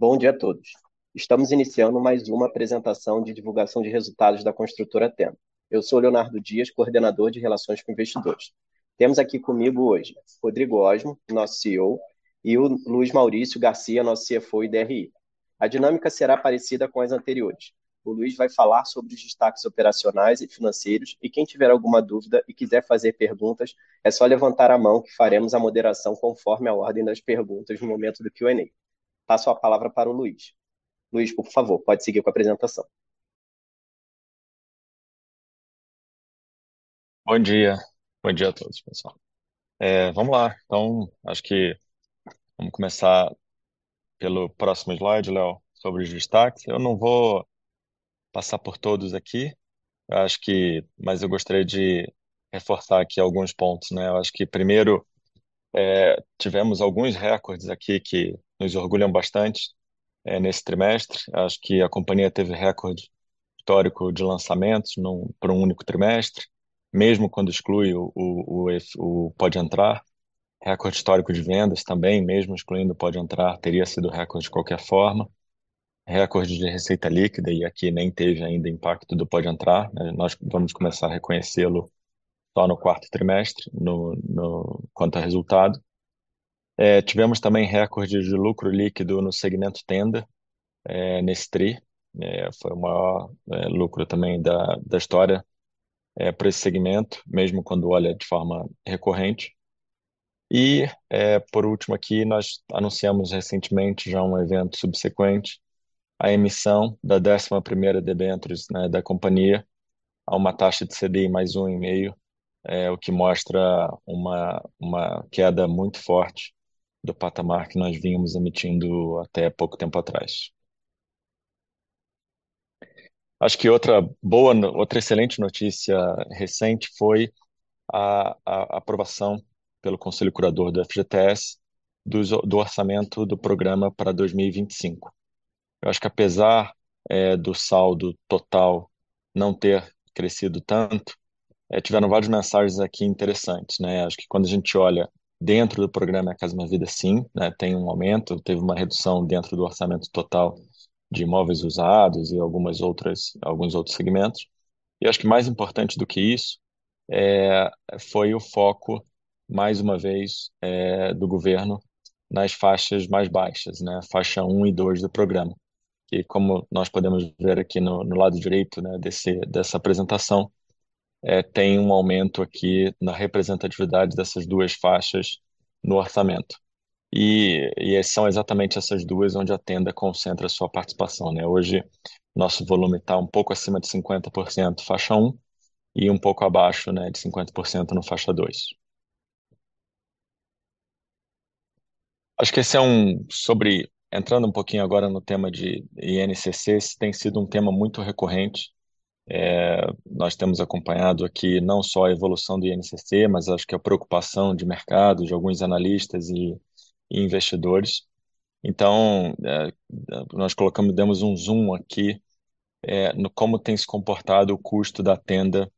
Bom dia a todos. Estamos iniciando mais uma apresentação de divulgação de resultados da Construtora Tenda. Eu sou o Leonardo Dias, Coordenador de Relações com Investidores. Temos aqui conosco hoje Rodrigo Osmo, nosso CEO, e o Luiz Maurício Garcia, nosso CFO e DRI. A dinâmica será parecida com as anteriores. O Luiz vai falar sobre os destaques operacionais e financeiros e quem tiver alguma dúvida e quiser fazer perguntas, é só levantar a mão que faremos a moderação conforme a ordem das perguntas no momento do Q&A. Passo a palavra para o Luiz. Luiz, por favor, pode seguir com a apresentação. Bom dia, bom dia a todos, pessoal. Vamos lá. Acho que vamos começar pelo próximo slide, Léo, sobre os destaques. Eu não vou passar por todos aqui, acho que mas eu gostaria de reforçar aqui alguns pontos, né. Eu acho que primeiro, tivemos alguns recordes aqui que nos orgulham bastante, nesse trimestre. Acho que a companhia teve recorde histórico de lançamentos em um, para um único trimestre, mesmo quando exclui o Pode Entrar. Recorde histórico de vendas também, mesmo excluindo o Pode Entrar, teria sido recorde de qualquer forma. Recorde de receita líquida, aqui nem teve ainda impacto do Pode Entrar, né, nós vamos começar a reconhecê-lo só no quarto trimestre, no quanto ao resultado. Tivemos também recorde de lucro líquido no segmento Tenda. Nesse tri, foi o maior lucro também da história pra esse segmento, mesmo quando olha de forma recorrente. Por último, aqui, nós anunciamos recentemente já um evento subsequente, a emissão da décima primeira debêntures da companhia a uma taxa de CDI mais 1.5, o que mostra uma queda muito forte do patamar que nós vínhamos emitindo até pouco tempo atrás. Acho que outra excelente notícia recente foi a aprovação pelo Conselho Curador do FGTS do orçamento do programa pra 2025. Eu acho que apesar do saldo total não ter crescido tanto, tiveram várias mensagens aqui interessantes. Acho que quando a gente olha dentro do programa Minha Casa, Minha Vida, sim, tem um aumento, teve uma redução dentro do orçamento total de imóveis usados e algumas outras, alguns outros segmentos. Acho que mais importante do que isso, foi o foco, mais uma vez, do governo nas faixas mais baixas, faixa 1 e 2 do programa, que como nós podemos ver aqui no lado direito, dessa apresentação, tem um aumento aqui na representatividade dessas duas faixas no orçamento. São exatamente essas duas onde a Tenda concentra sua participação. Hoje, nosso volume tá um pouco acima de 50% faixa 1 e um pouco abaixo de 50% na faixa 2. Acho que esse é, entrando um pouquinho agora no tema de INCC, esse tem sido um tema muito recorrente. Nós temos acompanhado aqui não só a evolução do INCC, mas acho que a preocupação de mercado, de alguns analistas e investidores. Nós colocamos, demos um zoom aqui, no como tem se comportado o custo da Tenda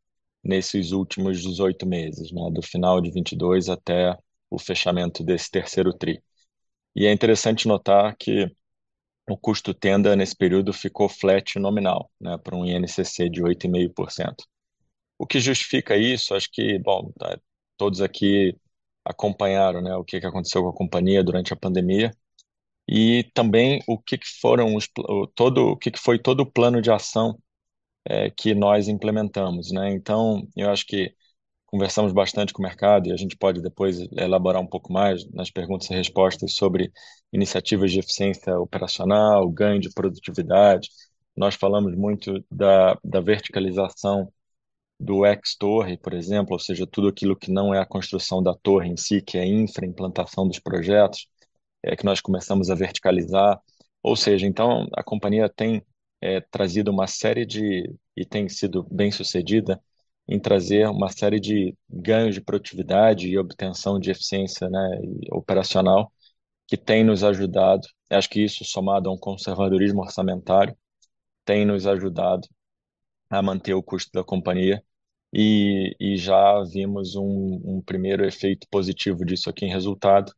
nesses últimos 18 meses, né, do final de 2022 até o fechamento desse terceiro tri. É interessante notar que o custo Tenda nesse período ficou flat nominal, né, pra um INCC de 8.5%. O que justifica isso, acho que, bom, todos aqui acompanharam, né, o que aconteceu com a companhia durante a pandemia e também o que foi todo o plano de ação que nós implementamos, né. Eu acho que conversamos bastante com o mercado e a gente pode depois elaborar um pouco mais nas perguntas e respostas sobre iniciativas de eficiência operacional, ganho de produtividade. Nós falamos muito da verticalização do ex-torre, por exemplo, ou seja, tudo aquilo que não é a construção da torre em si, que é a infraimplantação dos projetos, que nós começamos a verticalizar. Ou seja, a companhia tem trazido uma série de, e tem sido bem-sucedida em trazer uma série de ganhos de produtividade e obtenção de eficiência, né, operacional, que têm nos ajudado. Acho que isso somado a um conservadorismo orçamentário, tem nos ajudado a manter o custo da companhia e já vimos um primeiro efeito positivo disso aqui em resultado,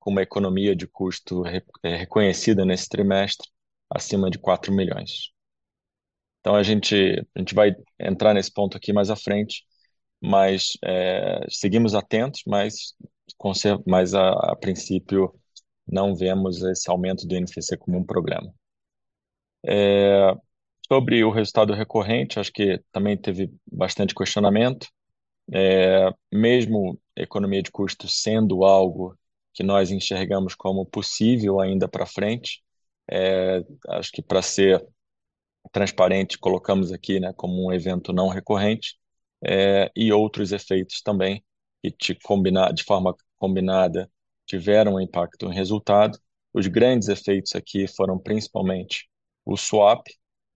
com uma economia de custo reconhecida nesse trimestre acima de 4 million. A gente vai entrar nesse ponto aqui mais à frente, mas seguimos atentos, mas a princípio, não vemos esse aumento do INCC como um problema. Sobre o resultado recorrente, acho que também teve bastante questionamento. Mesmo economia de custo sendo algo que nós enxergamos como possível ainda pra frente, acho que pra ser transparente, colocamos aqui, né, como um evento não recorrente, e outros efeitos também, que de combinar, de forma combinada tiveram impacto em resultado. Os grandes efeitos aqui foram principalmente o swap,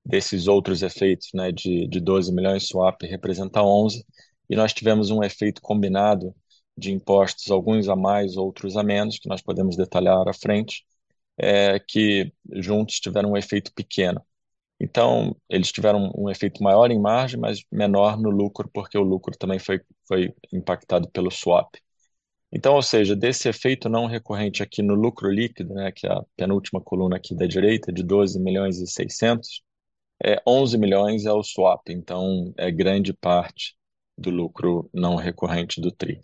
desses outros efeitos, né, de 12 milhões, o swap representa 11. Nós tivemos um efeito combinado de impostos, alguns a mais, outros a menos, que nós podemos detalhar à frente, que juntos tiveram um efeito pequeno. Eles tiveram um efeito maior em margem, mas menor no lucro, porque o lucro também foi impactado pelo swap. Ou seja, desse efeito não recorrente aqui no lucro líquido, que é a penúltima coluna aqui da direita, de 12.6 million, 11 million é o swap. É grande parte do lucro não recorrente do tri.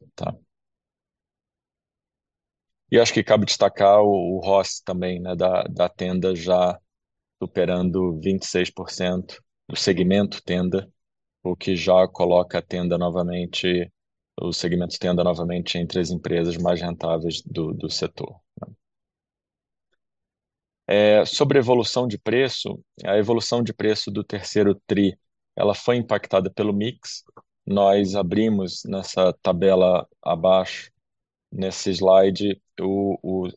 Acho que cabe destacar o ROIC também, da Tenda já superando 26% do segmento Tenda, o que já coloca o segmento Tenda novamente entre as empresas mais rentáveis do setor. Sobre a evolução de preço do terceiro tri, ela foi impactada pelo mix. Nós abrimos nessa tabela abaixo, nesse slide,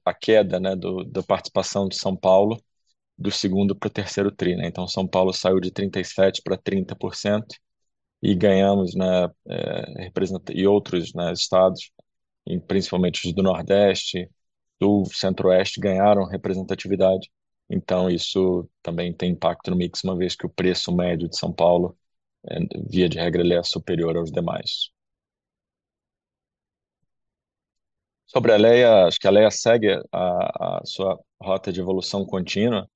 a queda, né, da participação de São Paulo do segundo pro terceiro tri, né. Então São Paulo saiu de 37% para 30% e ganhamos, né, e outros, né, estados, principalmente os do Nordeste, do Centro-Oeste, ganharam representatividade. Então isso também tem impacto no mix, uma vez que o preço médio de São Paulo, via de regra, ele é superior aos demais. Sobre a Alea, acho que a Alea segue a sua rota de evolução contínua.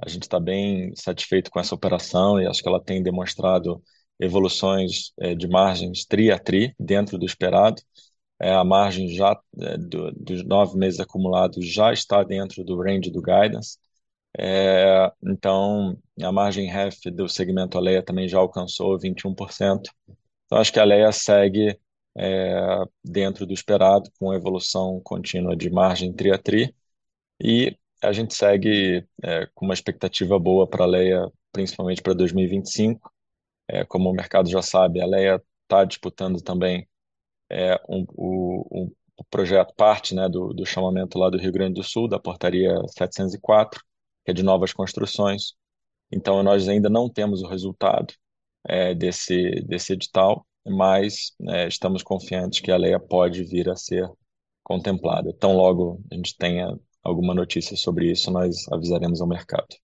A gente tá bem satisfeito com essa operação e acho que ela tem demonstrado evoluções, de margens tri a tri, dentro do esperado. A margem já dos nove meses acumulados já está dentro do range do guidance. A margem REF do segmento Alea também já alcançou 21%. Acho que a Alea segue dentro do esperado, com evolução contínua de margem trimestre a trimestre e a gente segue com uma expectativa boa pra Alea, principalmente pra 2025. Como o mercado já sabe, a Alea tá disputando também o projeto parte, né, do chamamento lá do Rio Grande do Sul, da Portaria 704, que é de novas construções. Nós ainda não temos o resultado desse edital, mas, né, estamos confiantes que a Alea pode vir a ser contemplada. Tão logo a gente tenha alguma notícia sobre isso, nós avisaremos ao mercado.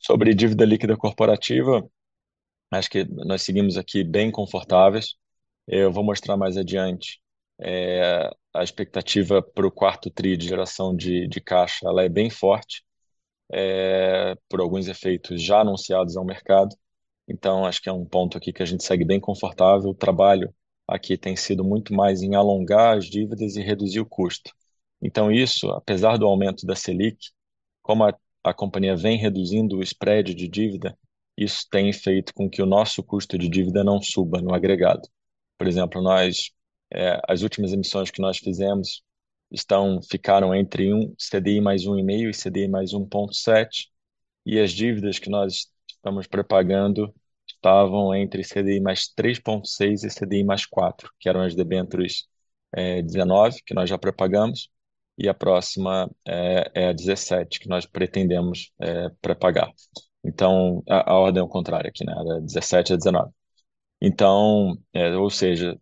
Sobre dívida líquida corporativa, acho que nós seguimos aqui bem confortáveis. Eu vou mostrar mais adiante, a expectativa pro quarto tri de geração de caixa, ela é bem forte, por alguns efeitos já anunciados ao mercado. Acho que é um ponto aqui que a gente segue bem confortável. O trabalho aqui tem sido muito mais em alongar as dívidas e reduzir o custo. Isso, apesar do aumento da Selic, como a companhia vem reduzindo o spread de dívida, isso tem feito com que o nosso custo de dívida não suba no agregado. Por exemplo, as últimas emissões que nós fizemos ficaram entre CDI +1 e mais 1.5 e CDI +1.7, e as dívidas que nós estamos prepagando estavam entre CDI +3.6 e CDI +4, que eram as debêntures 2019, que nós já prepagamos, e a próxima é a 2017, que nós pretendemos prepagar. A ordem é o contrário aqui, né, da 2017 à 2019. Ou seja,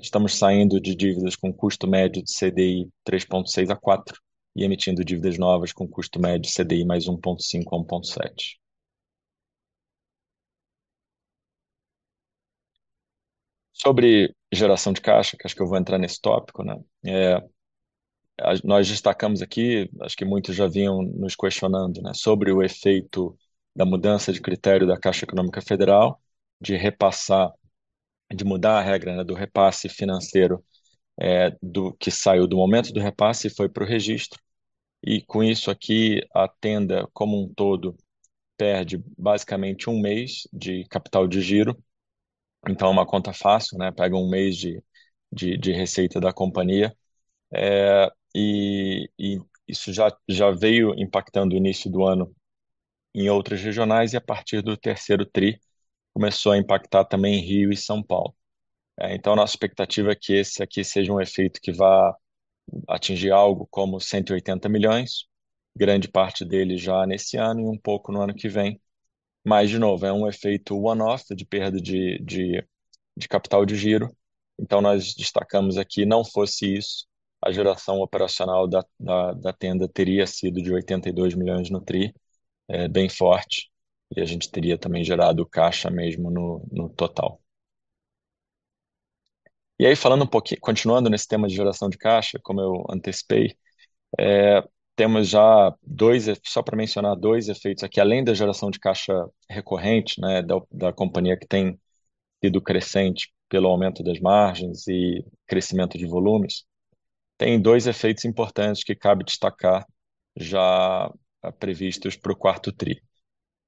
estamos saindo de dívidas com custo médio de CDI 3.6 a 4 e emitindo dívidas novas com custo médio CDI +1.5 a 1.7. Sobre geração de caixa, que acho que eu vou entrar nesse tópico, né? Nós destacamos aqui, acho que muitos já vinham nos questionando, né, sobre o efeito da mudança de critério da Caixa Econômica Federal, de mudar a regra, né, do repasse financeiro, do que saiu do momento do repasse e foi pro registro. E com isso aqui, a Tenda, como um todo, perde basicamente 1 mês de capital de giro. Então é uma conta fácil, né? Pega 1 mês de receita da companhia. E isso já veio impactando o início do ano em outras regionais e a partir do terceiro tri, começou a impactar também Rio e São Paulo. Então nossa expectativa é que esse aqui seja um efeito que vá atingir algo como 180 million, grande parte dele já nesse ano e um pouco no ano que vem. De novo, é um efeito one off de perda de capital de giro. Nós destacamos aqui, não fosse isso, a geração operacional da Tenda teria sido de 82 milhões no tri, bem forte, e a gente teria também gerado caixa mesmo no total. Continuando nesse tema de geração de caixa, como eu antecipei, temos já só pra mencionar dois efeitos aqui, além da geração de caixa recorrente, né, da companhia que tem sido crescente pelo aumento das margens e crescimento de volumes, tem dois efeitos importantes que cabe destacar já previstos pro quarto tri.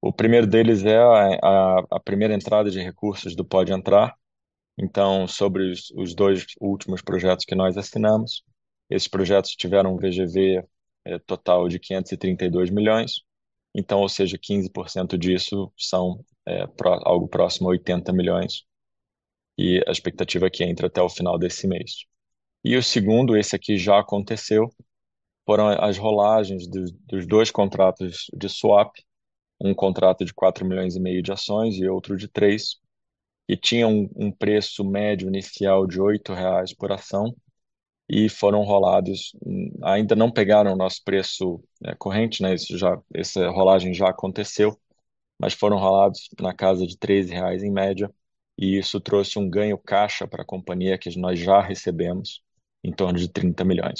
O primeiro deles é a primeira entrada de recursos do Pode Entrar. Sobre os dois últimos projetos que nós assinamos, esses projetos tiveram VGV total de 532 milhões. Ou seja, 15% disso são algo próximo a 80 million, e a expectativa é que entre até o final desse mês. O segundo, esse aqui já aconteceu, foram as rolagens dos dois contratos de swap, um contrato de 4.5 million de ações e outro de três milhões. Tinha um preço médio inicial de BRL 8 por ação e foram rolados, ainda não pegaram o nosso preço corrente, né. Essa rolagem já aconteceu, mas foram rolados na casa de BRL 13 em média e isso trouxe um ganho caixa pra companhia que nós já recebemos em torno de 30 million.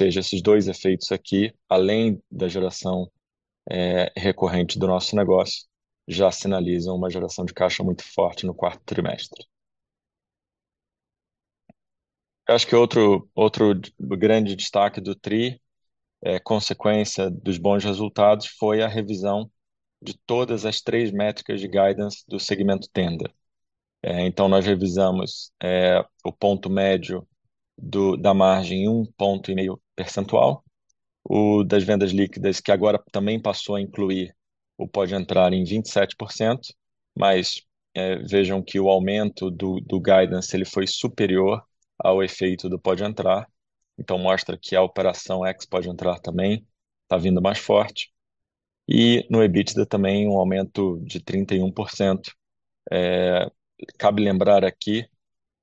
Esses dois efeitos aqui, além da geração recorrente do nosso negócio, já sinalizam uma geração de caixa muito forte no quarto trimestre. Acho que outro grande destaque do tri, consequência dos bons resultados, foi a revisão de todas as 3 métricas de guidance do segmento Tenda. Então nós revisamos o ponto médio da margem 1.5%, o das vendas líquidas, que agora também passou a incluir o Pode Entrar em 27%, mas vejam que o aumento do guidance, ele foi superior ao efeito do Pode Entrar. Mostra que a operação sem Pode Entrar também tá vindo mais forte e no EBITDA também um aumento de 31%. Cabe lembrar aqui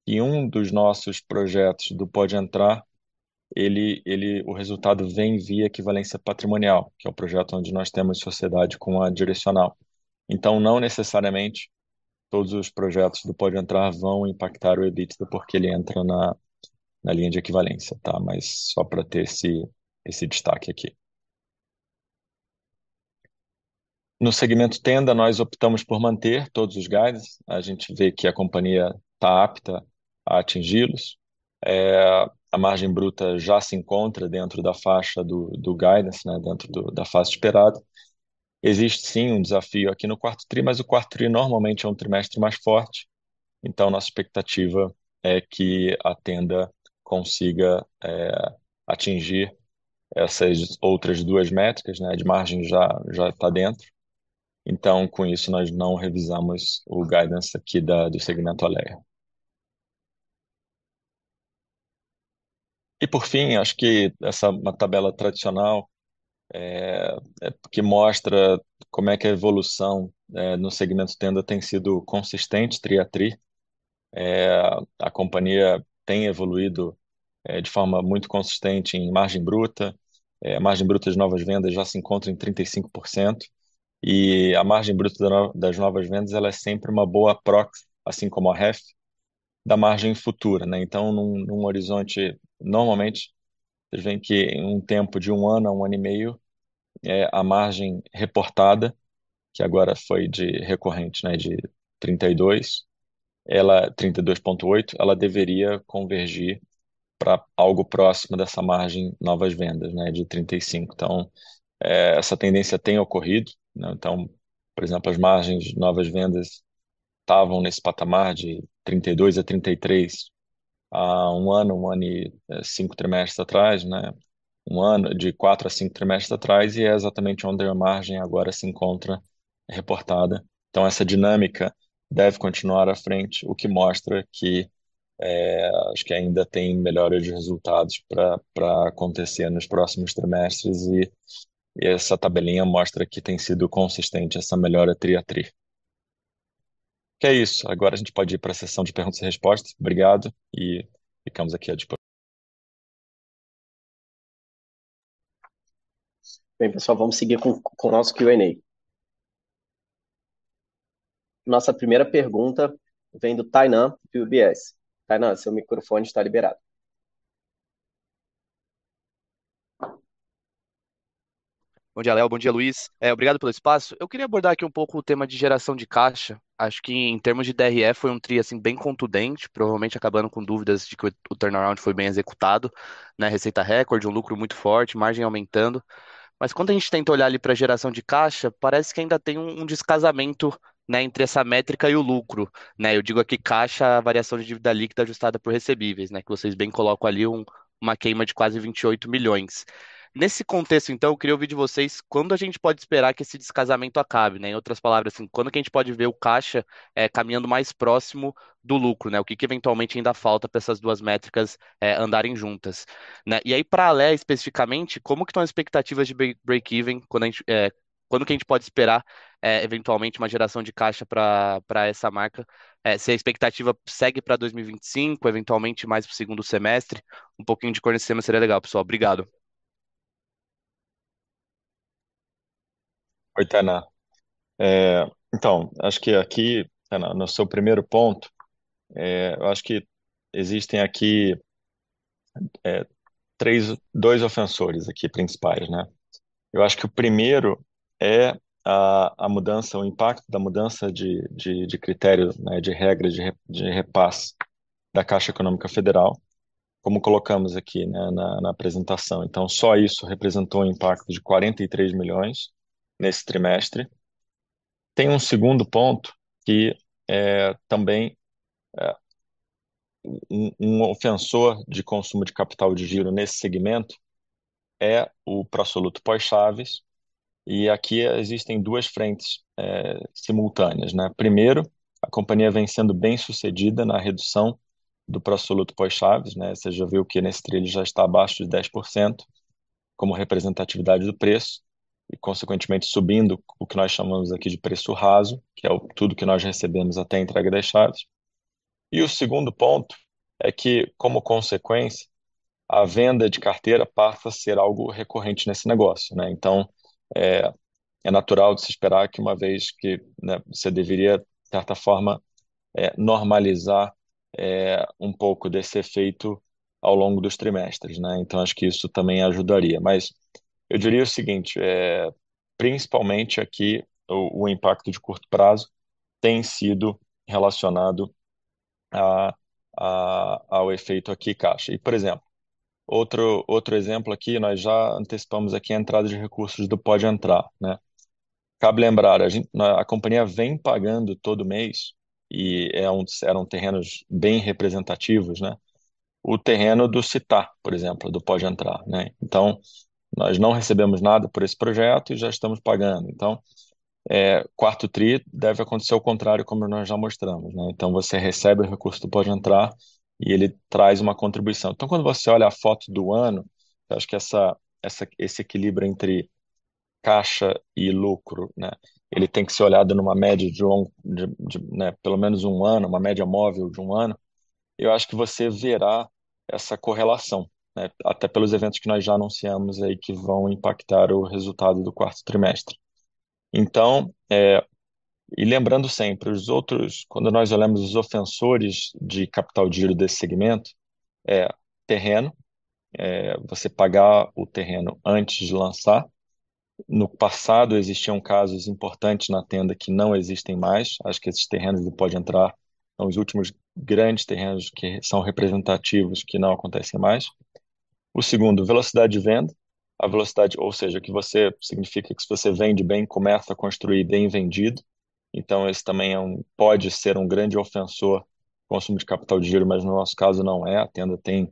que um dos nossos projetos do Pode Entrar, o resultado vem via equivalência patrimonial, que é o projeto onde nós temos sociedade com a Direcional. Não necessariamente todos os projetos do Pode Entrar vão impactar o EBITDA, porque ele entra na linha de equivalência, tá? Só pra ter esse destaque aqui. No segmento Tenda, nós optamos por manter todos os Guidances. A gente vê que a companhia tá apta a atingi-los. A margem bruta já se encontra dentro da faixa do Guidance, né, dentro da faixa esperada. Existe, sim, um desafio aqui no quarto tri, mas o quarto tri normalmente é um trimestre mais forte, então nossa expectativa é que a Tenda consiga atingir essas outras duas métricas, né, de margem já tá dentro. Com isso, nós não revisamos o Guidance aqui do segmento Alea. Por fim, acho que essa uma tabela tradicional que mostra como é que a evolução, né, no segmento Tenda tem sido consistente tri a tri. A companhia tem evoluído de forma muito consistente em margem bruta. A margem bruta de novas vendas já se encontra em 35% e a margem bruta das novas vendas, ela é sempre uma boa proxy, assim como a REF, da margem futura, né. Num horizonte, normalmente, cê vem que em um tempo de 1 ano a 1 ano e meio, a margem reportada, que agora foi de recorrente, né, de 32, ela 32.8, ela deveria convergir pra algo próximo dessa margem novas vendas, né, de 35. Essa tendência tem ocorrido, né, então, por exemplo, as margens de novas vendas tavam nesse patamar de 32 a 33 há 1 ano, 1 ano e 5 trimestres atrás, né? De 4 a 5 trimestres atrás, e é exatamente onde a margem agora se encontra reportada. Então essa dinâmica deve continuar à frente, o que mostra que acho que ainda tem melhora de resultados pra acontecer nos próximos trimestres e essa tabelinha mostra que tem sido consistente essa melhora tri a tri. É isso. Agora a gente pode ir pra sessão de perguntas e respostas. Obrigado e ficamos aqui à dispo- Bem, pessoal, vamos seguir com o nosso Q&A. Nossa primeira pergunta vem do Tainá, do UBS. Tainá, seu microfone está liberado. Bom dia, Léo. Bom dia, Luiz. Obrigado pelo espaço. Eu queria abordar aqui um pouco o tema de geração de caixa. Acho que em termos de DRE foi um tri, assim, bem contundente, provavelmente acabando com dúvidas de que o turnaround foi bem executado, né, receita recorde, um lucro muito forte, margem aumentando. Mas quando a gente tenta olhar ali pra geração de caixa, parece que ainda tem um desencaixe, né, entre essa métrica e o lucro, né. Eu digo aqui caixa, a variação de dívida líquida ajustada por recebíveis, né, que vocês bem colocam ali uma queima de quase 28 milhões. Nesse contexto, então, eu queria ouvir de vocês quando a gente pode esperar que esse desencaixe acabe, né? Em outras palavras, assim, quando que a gente pode ver o caixa caminhando mais próximo do lucro, né? O que que eventualmente ainda falta pra essas duas métricas andarem juntas, né? E aí pra Alea, especificamente, como que tão as expectativas de break-even, quando que a gente pode esperar eventualmente uma geração de caixa pra essa marca? Se a expectativa segue pra 2025, eventualmente mais pro segundo semestre. Um pouquinho de cor nesse tema seria legal, pessoal. Obrigado. Oi, Tainá. Acho que aqui, Tainá, no seu primeiro ponto, eu acho que existem aqui dois ofensores aqui principais, né? Eu acho que o primeiro é a mudança, o impacto da mudança de critério, né, de regra de repasse da Caixa Econômica Federal, como colocamos aqui, né, na apresentação. Só isso representou um impacto de 43 million nesse trimestre. Tem um segundo ponto que também é um ofensor de consumo de capital de giro nesse segmento é o pró-soluto pós-chaves. Aqui existem duas frentes simultâneas, né. Primeiro, a companhia vem sendo bem-sucedida na redução do pró-soluto pós-chaves, né. Você já viu que nesse tri ele já está abaixo de 10%. Como representatividade do preço e consequentemente subindo o que nós chamamos aqui de preço raso, que é o tudo que nós recebemos até a entrega das chaves. O segundo ponto é que, como consequência, a venda de carteira passa a ser algo recorrente nesse negócio, né. Então, é natural de se esperar que uma vez que, né, você deveria, de certa forma, um pouco desse efeito ao longo dos trimestres, né. Então acho que isso também ajudaria. Mas eu diria o seguinte: é, principalmente aqui, o impacto de curto prazo tem sido relacionado ao efeito aqui caixa. Por exemplo, outro exemplo aqui, nós já antecipamos aqui a entrada de recursos do Pode Entrar, né. Cabe lembrar, a companhia vem pagando todo mês, e eram terrenos bem representativos, né, o terreno do Cittá, por exemplo, do Pode Entrar, né. Nós não recebemos nada por esse projeto e já estamos pagando. Quarto tri deve acontecer o contrário, como nós já mostramos, né. Você recebe o recurso do Pode Entrar e ele traz uma contribuição. Quando você olha a foto do ano, acho que esse equilíbrio entre caixa e lucro, né, ele tem que ser olhado numa média de um, né, pelo menos um ano, uma média móvel de um ano. Eu acho que você verá essa correlação, né, até pelos eventos que nós já anunciamos aí que vão impactar o resultado do quarto trimestre. Lembrando sempre os outros, quando nós olhamos os ofensores de capital de giro desse segmento, é terreno, você pagar o terreno antes de lançar. No passado existiam casos importantes na Tenda que não existem mais. Acho que esses terrenos do Pode Entrar são os últimos grandes terrenos que são representativos, que não acontecem mais. O segundo. Velocidade de venda. A velocidade, ou seja, significa que se você vende bem, começa a construir bem vendido. Esse também pode ser um grande ofensor de consumo de capital de giro, mas no nosso caso não é. A Tenda tem,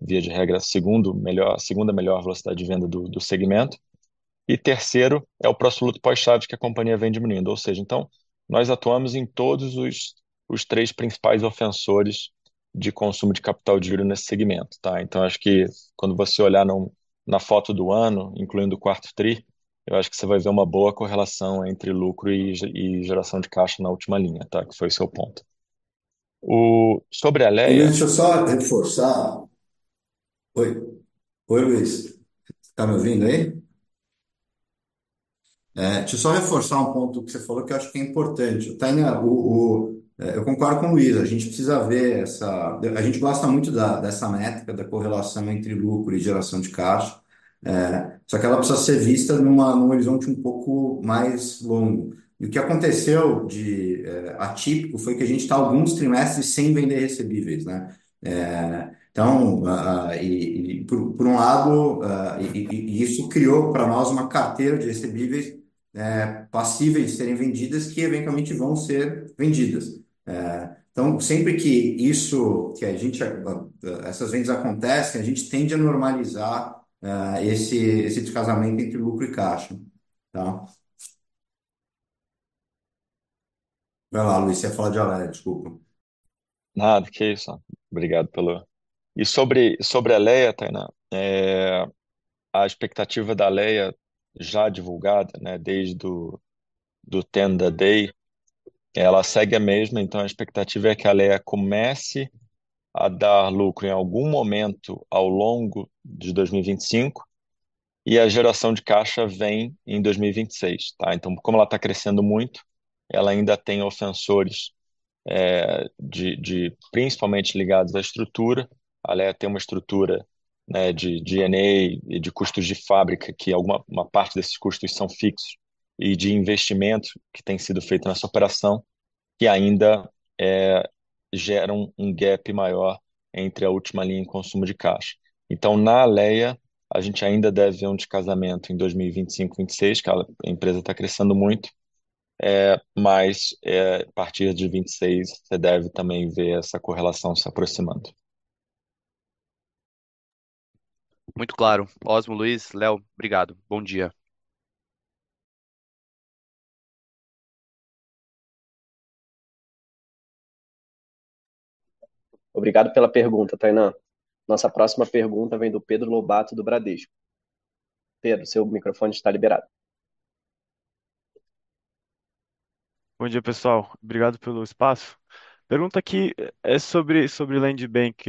via de regra, a segunda melhor velocidade de venda do segmento. Terceiro é o próprio lucro pós-chave que a companhia vem diminuindo. Ou seja, nós atuamos em todos os três principais ofensores de consumo de capital de giro nesse segmento, tá? Acho que quando você olhar na foto do ano, incluindo o quarto tri, eu acho que você vai ver uma boa correlação entre lucro e geração de caixa na última linha, tá? Que foi o seu ponto. Sobre a Alea. Deixa eu só reforçar. Oi? Oi, Luiz. Tá me ouvindo aí? Deixa eu só reforçar um ponto que cê falou que eu acho que é importante. Tainá, eu concordo com o Luiz, a gente precisa ver essa. A gente gosta muito dessa métrica, da correlação entre lucro e geração de caixa, só que ela precisa ser vista num horizonte um pouco mais longo. O que aconteceu de atípico foi que a gente tá alguns trimestres sem vender recebíveis, né. Então, isso criou pra nós uma carteira de recebíveis passíveis de serem vendidas, que eventualmente vão ser vendidas. Então sempre que isso, que a gente, essas vendas acontecem, a gente tende a normalizar esse desencaixe entre lucro e caixa, tá? Vai lá, Luiz, cê ia falar de Alea, desculpa. Nada, que isso. Obrigado pela... Sobre a Alea, Tainá, a expectativa da Alea já divulgada, desde o Tenda Day, ela segue a mesma. A expectativa é que a Alea comece a dar lucro em algum momento ao longo de 2025 e a geração de caixa vem em 2026. Como ela tá crescendo muito, ela ainda tem outflows, de principalmente ligados à estrutura. A Alea tem uma estrutura de G&A e de custos de fábrica, que uma parte desses custos são fixos, e de investimento que tem sido feito nessa operação, que ainda geram um gap maior entre a última linha e o consumo de caixa. Na Alea, a gente ainda deve ver um desfasamento em 2025-26, que a empresa tá crescendo muito. A partir de 2026, cê deve também ver essa correlação se aproximando. Muito claro. Osmar, Luiz, Léo, obrigado. Bom dia. Obrigado pela pergunta, Tainá. Nossa próxima pergunta vem do Pedro Lobato, do Bradesco. Pedro, seu microfone está liberado. Bom dia, pessoal. Obrigado pelo espaço. Pergunta que é sobre land bank.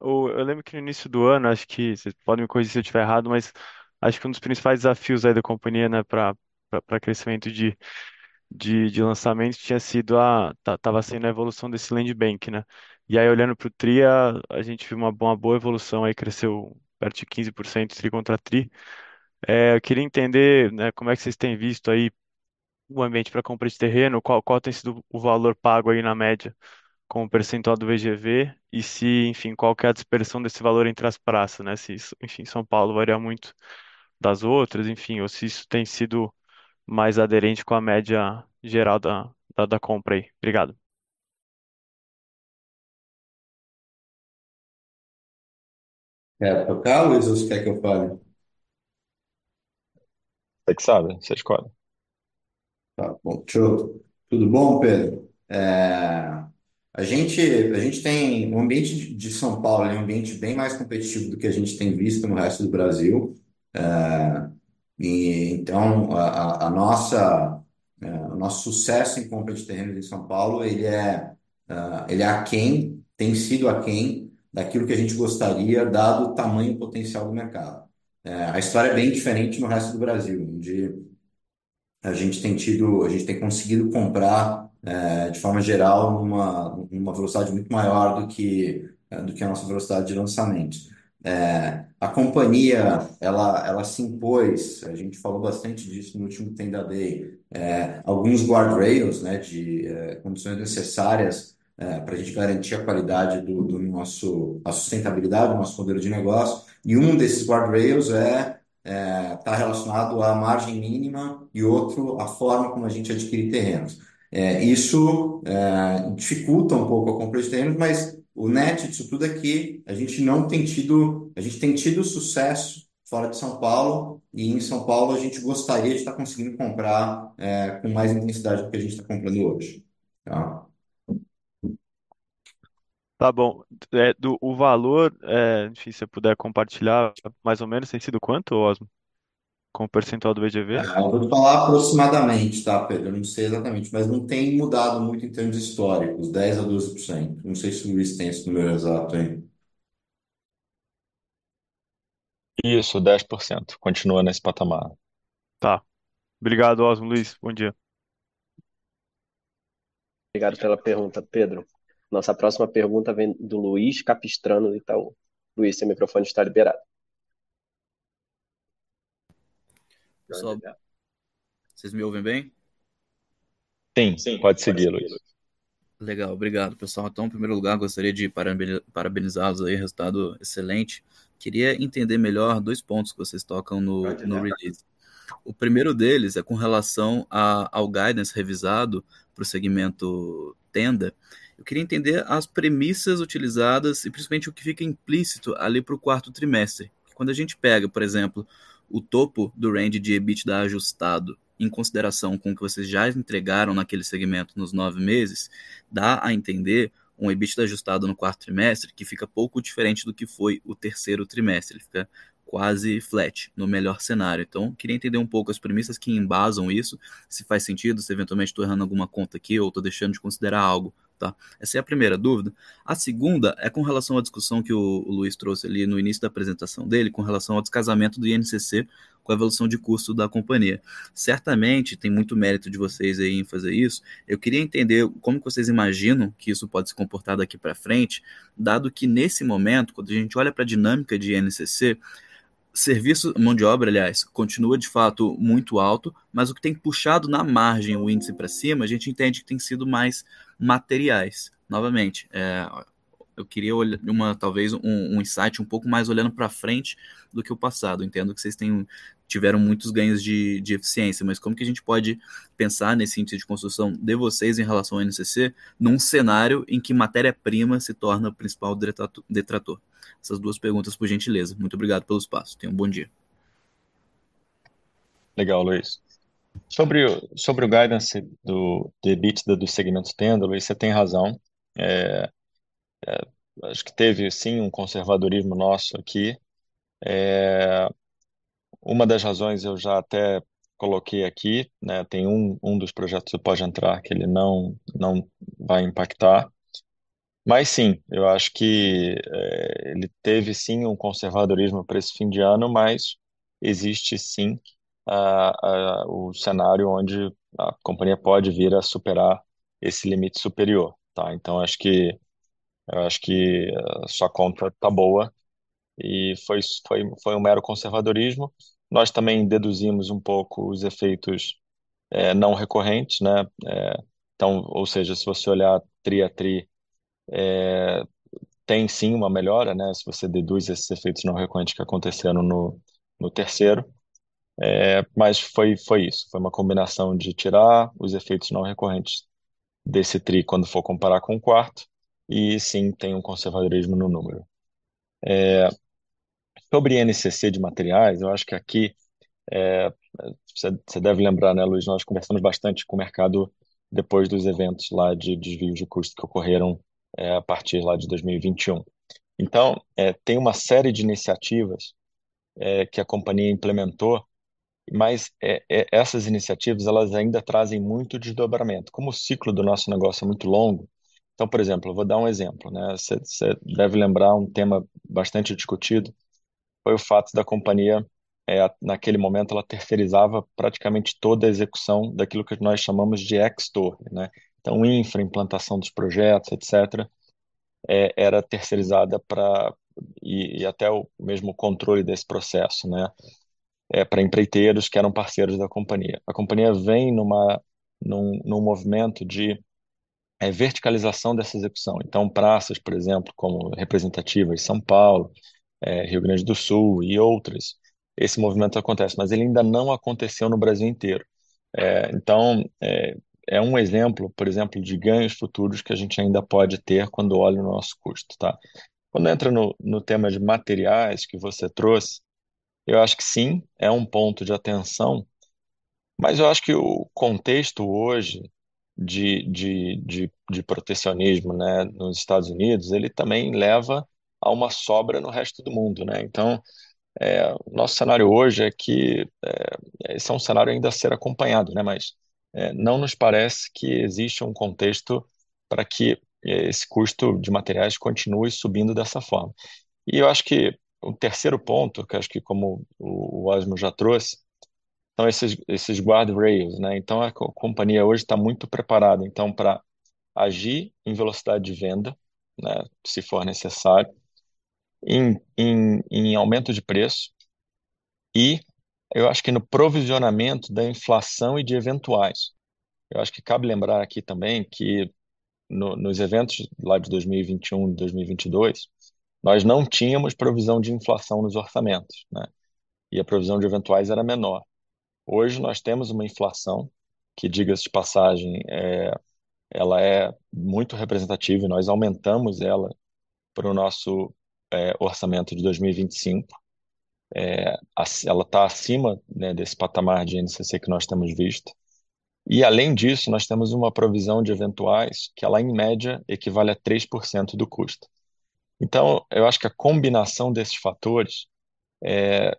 Eu lembro que no início do ano, acho que cês podem me corrigir se eu tiver errado, mas acho que um dos principais desafios aí da companhia, né, pra crescimento de lançamentos tinha sido a tava sendo a evolução desse land bank, né? Aí olhando pro tri, a gente viu uma boa evolução, aí cresceu perto de 15% tri contra tri. Eu queria entender, né, como é que cês têm visto aí o ambiente pra compra de terreno, qual tem sido o valor pago aí na média com o percentual do VGV e se, enfim, qual que é a dispersão desse valor entre as praças, né? Enfim, São Paulo varia muito das outras, enfim, ou se isso tem sido mais aderente com a média geral da compra aí. Obrigado. É pro Carlos ou cê quer que eu fale? Você que sabe, você escolhe. Tá bom. Tudo bom, Pedro? A gente tem o ambiente de São Paulo é um ambiente bem mais competitivo do que a gente tem visto no resto do Brasil. Então, a nossa, o nosso sucesso em compra de terrenos em São Paulo, ele é aquém, tem sido aquém daquilo que a gente gostaria, dado o tamanho potencial do mercado. A história é bem diferente no resto do Brasil, onde a gente tem conseguido comprar, de forma geral, numa velocidade muito maior do que a nossa velocidade de lançamento. A companhia, ela se impôs, a gente falou bastante disso no último Tenda Day, alguns guard rails, né, de condições necessárias, pra gente garantir a qualidade do nosso, a sustentabilidade do nosso modelo de negócio. Um desses guard rails é tá relacionado à margem mínima e outro à forma como a gente adquire terrenos. Isso dificulta um pouco a compra de terrenos, mas o net disso tudo é que a gente tem tido sucesso fora de São Paulo e em São Paulo, a gente gostaria de tá conseguindo comprar com mais intensidade do que a gente tá comprando hoje. Tá bom. O valor, enfim, se você puder compartilhar mais ou menos, tem sido quanto, Osmar? Com o percentual do VGV? Vou te falar aproximadamente, tá, Pedro? Eu não sei exatamente, mas não tem mudado muito em termos históricos, 10%-12%. Não sei se o Luiz tem esse número exato aí. Isso, 10%. Continua nesse patamar. Tá. Obrigado, Osmo. Luiz, bom dia. Obrigado pela pergunta, Pedro. Nossa próxima pergunta vem do Luiz Capistrano, do Itaú. Luiz, seu microfone está liberado. Pessoal, cês me ouvem bem? Sim, sim. Pode seguir, Luiz. Legal, obrigado. Pessoal, em primeiro lugar, gostaria de parabenizá-los aí, resultado excelente. Queria entender melhor dois pontos que vocês tocam no release. O primeiro deles é com relação ao guidance revisado pro segmento Tenda. Eu queria entender as premissas utilizadas e principalmente o que fica implícito ali pro quarto trimestre. Quando a gente pega, por exemplo, o topo do range de EBITDA ajustado em consideração com o que vocês já entregaram naquele segmento nos nove meses, dá a entender um EBITDA ajustado no quarto trimestre que fica pouco diferente do que foi o terceiro trimestre, ele fica quase flat no melhor cenário. Queria entender um pouco as premissas que embasam isso, se faz sentido, se eventualmente eu tô errando alguma conta aqui ou tô deixando de considerar algo, tá? Essa é a primeira dúvida. A segunda é com relação à discussão que o Luiz trouxe ali no início da apresentação dele, com relação ao descasamento do INCC com a evolução de custo da companhia. Certamente, tem muito mérito de vocês aí em fazer isso. Eu queria entender como que vocês imaginam que isso pode se comportar daqui pra frente, dado que nesse momento, quando a gente olha pra dinâmica de INCC, mão de obra, aliás, continua de fato muito alto, mas o que tem puxado na margem o índice pra cima, a gente entende que tem sido mais materiais. Novamente, eu queria olhar talvez um insight um pouco mais olhando pra frente do que o passado. Entendo que cês tiveram muitos ganhos de eficiência, mas como que a gente pode pensar nesse índice de construção de vocês em relação ao INCC, num cenário em que matéria-prima se torna o principal detrator? Essas duas perguntas, por gentileza. Muito obrigado pelo espaço. Tenha um bom dia. Legal, Luiz. Sobre o guidance do EBITDA dos segmentos Tenda, Luiz, cê tem razão. Acho que teve sim um conservadorismo nosso aqui. Uma das razões eu já até coloquei aqui, né? Tem um dos projetos do Pode Entrar que ele não vai impactar. Mas sim, eu acho que ele teve sim um conservadorismo pra esse fim de ano, mas existe sim o cenário onde a companhia pode vir a superar esse limite superior, tá? Então acho que sua conta tá boa e foi um mero conservadorismo. Nós também deduzimos um pouco os efeitos não recorrentes, né? Então, ou seja, se você olhar trimestre a trimestre, tem sim uma melhora, né? Se você deduz esses efeitos não recorrentes que aconteceram no terceiro. Mas foi isso. Foi uma combinação de tirar os efeitos não recorrentes desse tri quando for comparar com o quarto e sim, tem um conservadorismo no número. Sobre INCC de materiais, eu acho que aqui, cê deve lembrar, né, Luiz, nós conversamos bastante com o mercado depois dos eventos lá de desvios de custos que ocorreram, a partir lá de 2021. Então, tem uma série de iniciativas que a companhia implementou, mas essas iniciativas, elas ainda trazem muito desdobramento. Como o ciclo do nosso negócio é muito longo. Então, por exemplo, eu vou dar um exemplo, né? Cê deve lembrar um tema bastante discutido, foi o fato da companhia, naquele momento, ela terceirizava praticamente toda a execução daquilo que nós chamamos de ex-torre, né? Infra-implantação dos projetos, etc., era terceirizada e até o mesmo controle desse processo, né, para empreiteiros que eram parceiros da companhia. A companhia vem num movimento de verticalização dessa execução. Praças, por exemplo, como representativa em São Paulo, Rio Grande do Sul e outras, esse movimento acontece, mas ele ainda não aconteceu no Brasil inteiro. É um exemplo, por exemplo, de ganhos futuros que a gente ainda pode ter quando olha o nosso custo, tá? Quando entra no tema de materiais que você trouxe, eu acho que sim, é um ponto de atenção, mas eu acho que o contexto hoje de protecionismo, né, nos Estados Unidos, ele também leva a uma sobra no resto do mundo, né? O nosso cenário hoje é que esse é um cenário ainda a ser acompanhado, né, mas não nos parece que existe um contexto pra que esse custo de materiais continue subindo dessa forma. Eu acho que o terceiro ponto, que acho que como o Osmo já trouxe, são esses guard rails, né? A companhia hoje tá muito preparada, pra agir em velocidade de venda, né, se for necessário, em aumento de preço e eu acho que no provisionamento da inflação e de eventuais. Eu acho que cabe lembrar aqui também que nos eventos lá de 2021 e 2022, nós não tínhamos provisão de inflação nos orçamentos, né? A provisão de eventuais era menor. Hoje nós temos uma inflação, que diga-se de passagem, ela é muito representativa e nós aumentamos ela pro nosso orçamento de 2025. Ela tá acima, né, desse patamar de INCC que nós temos visto. Além disso, nós temos uma provisão de eventuais que ela, em média, equivale a 3% do custo. Eu acho que a combinação desses fatores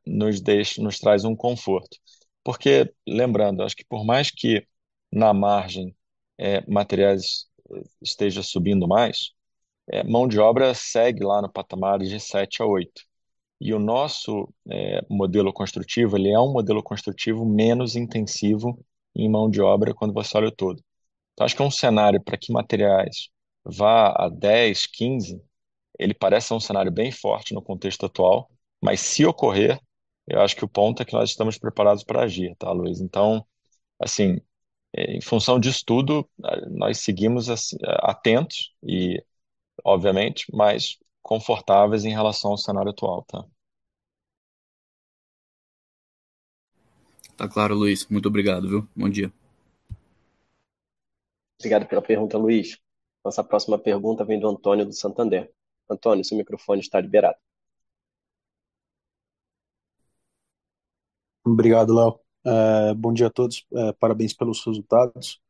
nos traz um conforto, porque lembrando, acho que por mais que na margem materiais esteja subindo mais, mão de obra segue lá no patamar de 7%-8%. O nosso modelo construtivo, ele é um modelo construtivo menos intensivo em mão de obra quando você olha o todo. Acho que é um cenário pra que materiais vá a 10%-15%, ele parece ser um cenário bem forte no contexto atual, mas se ocorrer, eu acho que o ponto é que nós estamos preparados para agir, tá, Luiz? Assim, em função disso tudo, nós seguimos atentos e obviamente mais confortáveis em relação ao cenário atual, tá? Tá claro, Luiz. Muito obrigado, viu? Bom dia. Obrigado pela pergunta, Luiz. Nossa próxima pergunta vem do Antônio, do Santander. Antônio, seu microfone está liberado. Obrigado, Alea. Bom dia a todos. Parabéns pelos resultados.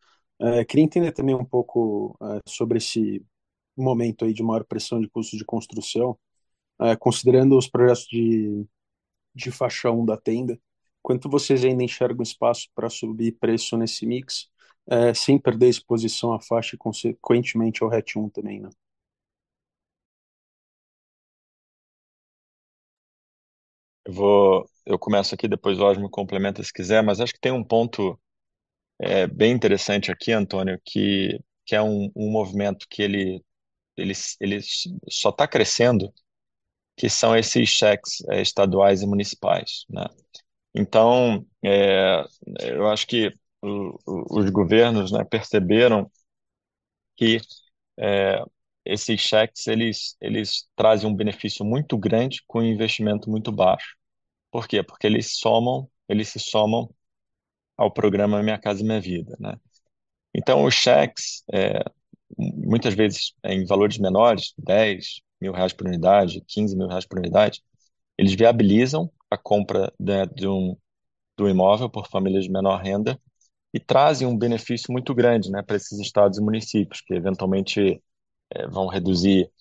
Queria entender também um pouco sobre esse momento aí de maior pressão de custos de construção, considerando os projetos de faixa 1 da Tenda, quanto vocês ainda enxergam espaço pra subir preço nesse mix, sem perder exposição à faixa e consequentemente ao RET 1 também, né? Eu começo aqui, depois o Osmar complementa se quiser, mas acho que tem um ponto bem interessante aqui, Antônio, que é um movimento que só tá crescendo, que são esses cheques estaduais e municipais, né? Então eu acho que os governos, né, perceberam que esses cheques eles trazem um benefício muito grande com investimento muito baixo. Por quê? Porque eles se somam ao programa Minha Casa, Minha Vida, né? Então os cheques, muitas vezes em valores menores, 10,000 reais por unidade, 15,000 reais por unidade, eles viabilizam a compra, né, do imóvel por famílias de menor renda e trazem um benefício muito grande, né, pra esses estados e municípios, que eventualmente vão reduzir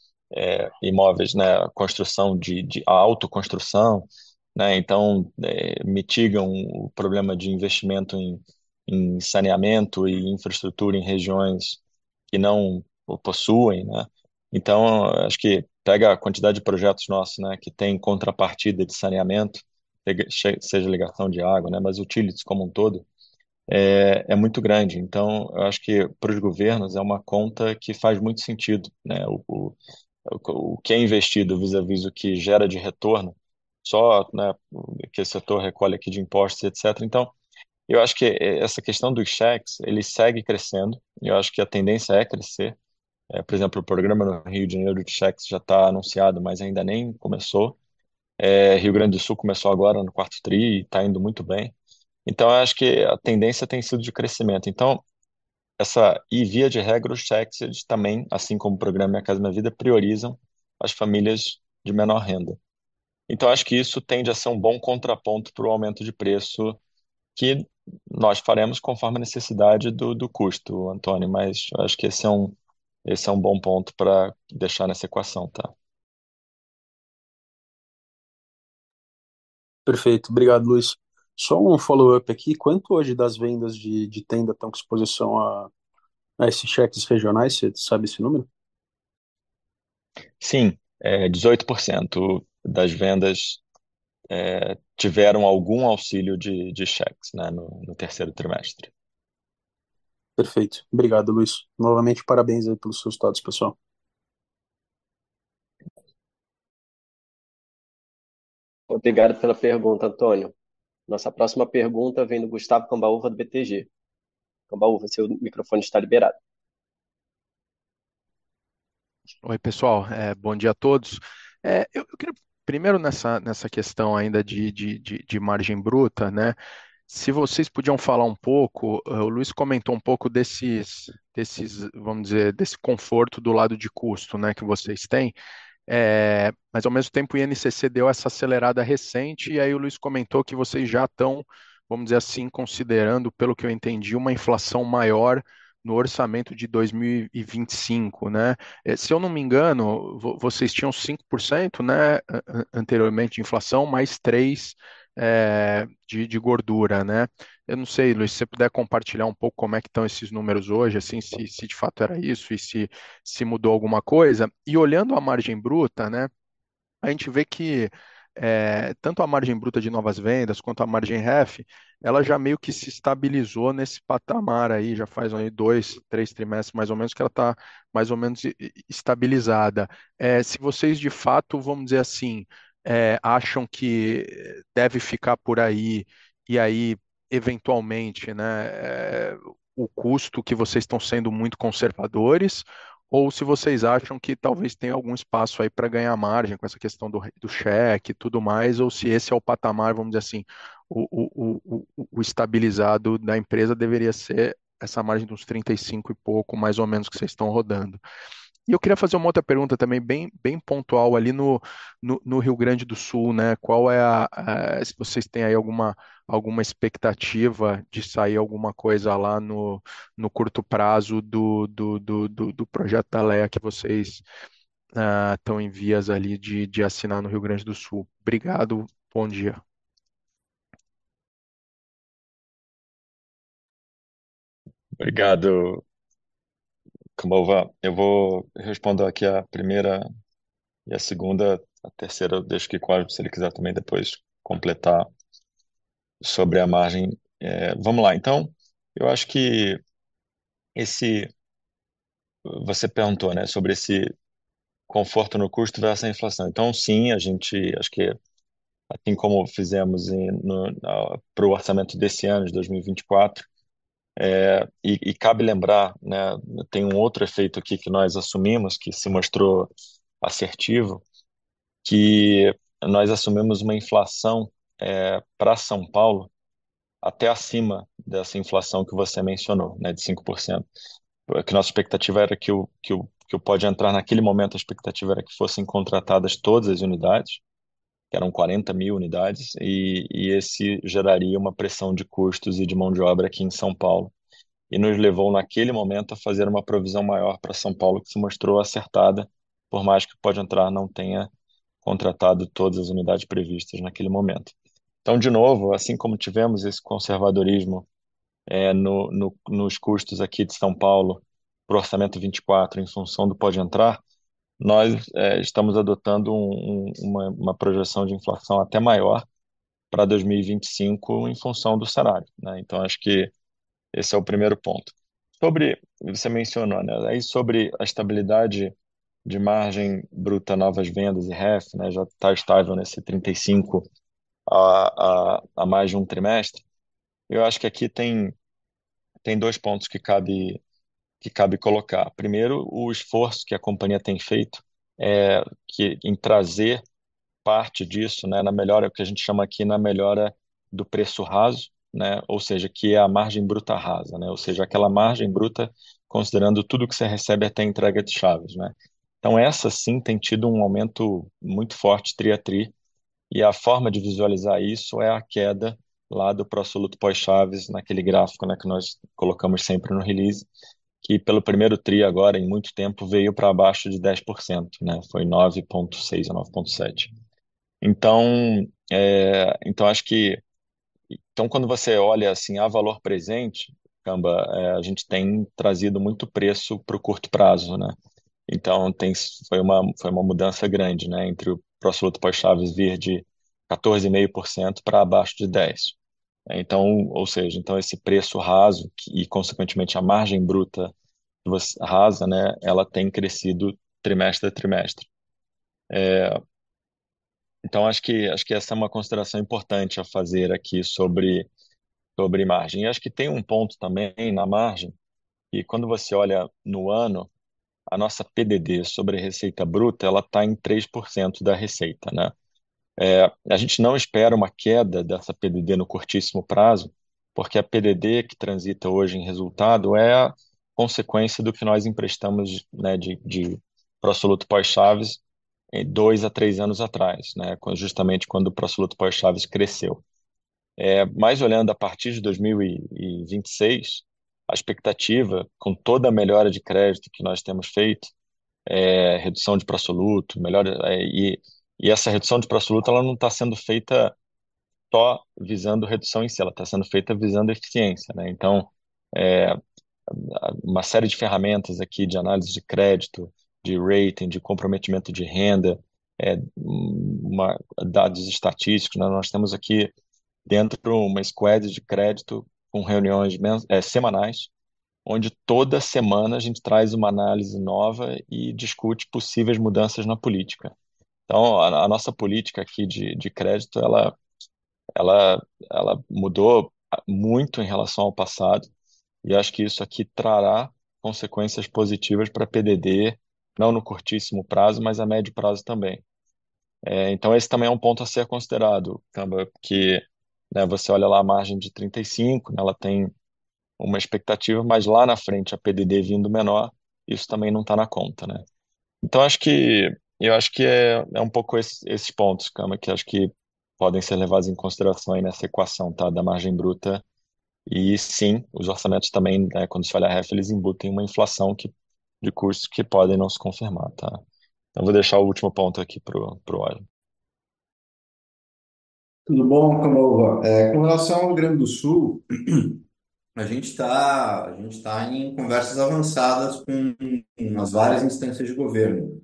imóveis na construção de autoconstrução, né? Mitigam o problema de investimento em saneamento e infraestrutura em regiões que não o possuem, né? Acho que pega a quantidade de projetos nossos, né, que têm contrapartida de saneamento, seja ligação de água, né, mas utilities como um todo, muito grande. Eu acho que pros governos é uma conta que faz muito sentido, né? O que é investido vis-à-vis o que gera de retorno, só, né, que o setor recolhe aqui de impostos, etc. Eu acho que essa questão dos cheques, ele segue crescendo e eu acho que a tendência é crescer. Por exemplo, o programa no Rio de Janeiro de cheques já tá anunciado, mas ainda nem começou. Rio Grande do Sul começou agora no quarto tri e tá indo muito bem. Eu acho que a tendência tem sido de crescimento. E via de regra, os cheques, eles também, assim como o programa Minha Casa, Minha Vida, priorizam as famílias de menor renda. Acho que isso tende a ser um bom contraponto pro aumento de preço que nós faremos conforme a necessidade do custo, Antônio, mas acho que esse é um bom ponto pra deixar nessa equação, tá? Perfeito. Obrigado, Luiz. Só um follow-up aqui, quanto hoje das vendas de Tenda tão com exposição a esses cheques regionais, cê sabe esse número? Sim, 18% das vendas tiveram algum auxílio de cheques no terceiro trimestre. Perfeito. Obrigado, Luiz. Novamente parabéns aí pelos resultados, pessoal. Obrigado pela pergunta, Antônio. Nossa próxima pergunta vem do Gustavo Cambauva, do BTG. Cambauva, seu microfone está liberado. Oi, pessoal. Bom dia a todos. Eu queria primeiro nessa questão ainda de margem bruta, né? Se vocês podiam falar um pouco, o Luiz comentou um pouco desses, vamos dizer, desse conforto do lado de custo, né, que vocês têm. Ao mesmo tempo o INCC deu essa acelerada recente e aí o Luiz comentou que vocês já tão, vamos dizer assim, considerando, pelo que eu entendi, uma inflação maior no orçamento de 2025, né? Se eu não me engano, vocês tinham 5%, né, anteriormente de inflação, mais 3, de gordura, né? Eu não sei, Luiz, se cê puder compartilhar um pouco como é que tão esses números hoje, assim, se de fato era isso e se mudou alguma coisa. Olhando a margem bruta, né, a gente vê que tanto a margem bruta de novas vendas quanto a margem REF, ela já meio que se estabilizou nesse patamar aí, já faz aí 2, 3 trimestres, mais ou menos, que ela tá mais ou menos estabilizada. Se vocês, de fato, vamos dizer assim, acham que deve ficar por aí e aí, eventualmente, né, o custo que vocês tão sendo muito conservadores ou se vocês acham que talvez tenha algum espaço aí pra ganhar margem com essa questão do REF do cheque e tudo mais, ou se esse é o patamar, vamos dizer assim, o estabilizado da empresa deveria ser essa margem dos 35 e pouco%, mais ou menos, que cês tão rodando. Eu queria fazer uma outra pergunta também bem pontual ali no Rio Grande do Sul, né: qual é a se vocês têm aí alguma expectativa de sair alguma coisa lá no curto prazo do projeto da Alea que vocês tão em vias de assinar no Rio Grande do Sul. Obrigado, bom dia. Obrigado, Gustavo Cambauva. Eu vou responder aqui a primeira e a segunda. A terceira, eu deixo que o Rodrigo Osmo, se ele quiser também depois completar sobre a margem. Vamo lá então. Eu acho que esse você perguntou sobre esse conforto no custo versus a inflação. Então, sim, a gente acho que assim como fizemos no orçamento desse ano, de 2024, cabe lembrar tem um outro efeito aqui que nós assumimos, que se mostrou acertado, que nós assumimos uma inflação pra São Paulo até acima dessa inflação que você mencionou de 5%, que nossa expectativa era que o Pode Entrar naquele momento a expectativa era que fossem contratadas todas as unidades que eram 40,000 unidades, e esse geraria uma pressão de custos e de mão de obra aqui em São Paulo. Nos levou, naquele momento, a fazer uma provisão maior pra São Paulo, que se mostrou acertada, por mais que o Pode Entrar não tenha contratado todas as unidades previstas naquele momento. De novo, assim como tivemos esse conservadorismo nos custos aqui de São Paulo pro orçamento 2024 em função do Pode Entrar, nós estamos adotando uma projeção de inflação até maior pra 2025 em função do salário, né. Acho que esse é o primeiro ponto. Sobre você mencionou, né, aí sobre a estabilidade de margem bruta, novas vendas e REF, né, já está estável nesse 35% há mais de um trimestre. Eu acho que aqui tem dois pontos que cabe colocar. Primeiro, o esforço que a companhia tem feito em trazer parte disso, né, na melhora o que a gente chama aqui na melhora do preço raso, né, ou seja, que é a margem bruta rasa, né. Ou seja, aquela margem bruta considerando tudo que cê recebe até a entrega de chaves, né. Então essa sim tem tido um aumento muito forte tri a tri, e a forma de visualizar isso é a queda lá do pró-soluto pós-chaves naquele gráfico, né, que nós colocamos sempre no release, que pelo primeiro tri agora em muito tempo veio pra baixo de 10%, né. Foi 9.6%-9.7%. Então acho que quando você olha assim o valor presente, Gustavo Cambauva, a gente tem trazido muito preço pro curto prazo, né. Foi uma mudança grande, né, entre o pró-soluto pós-chaves vir de 14.5% pra abaixo de 10%. Esse preço raso, que, e consequentemente a margem bruta rasa, né, ela tem crescido trimestre a trimestre. Acho que essa é uma consideração importante a fazer aqui sobre margem. Acho que tem um ponto também na margem, que quando você olha no ano, a nossa PDD sobre a receita bruta, ela tá em 3% da receita, né? A gente não espera uma queda dessa PDD no curtíssimo prazo, porque a PDD que transita hoje em resultado é a consequência do que nós emprestamos, né, de pró-soluto pós-chaves, 2-3 anos atrás, né, quando, justamente quando o pró-soluto pós-chaves cresceu. Mas olhando a partir de 2026, a expectativa, com toda a melhora de crédito que nós temos feito, é redução de pró-soluto, melhora, e essa redução de pró-soluto, ela não tá sendo feita só visando redução em si, ela tá sendo feita visando a eficiência, né. Uma série de ferramentas aqui de análise de crédito, de rating, de comprometimento de renda, dados estatísticos, né. Nós estamos aqui dentro uma squad de crédito com reuniões semanais, onde toda semana a gente traz uma análise nova e discute possíveis mudanças na política. A nossa política aqui de crédito, ela mudou muito em relação ao passado. Acho que isso aqui trará consequências positivas pra PDD, não no curtíssimo prazo, mas no médio prazo também. Esse também é um ponto a ser considerado, Camba, que, né, você olha lá a margem de 35%, né, ela tem uma expectativa, mas lá na frente a PDD vindo menor, isso também não tá na conta, né? Acho que, eu acho que é um pouco esses pontos, Camba, que acho que podem ser levados em consideração aí nessa equação, tá, da margem bruta. Sim, os orçamentos também, né, quando você olha a REF, eles embutem uma inflação que de custos que podem não se confirmar, tá? Vou deixar o último ponto aqui pro Osmar. Tudo bom, Cambauva? Com relação ao Rio Grande do Sul, a gente tá em conversas avançadas com as várias instâncias de governo.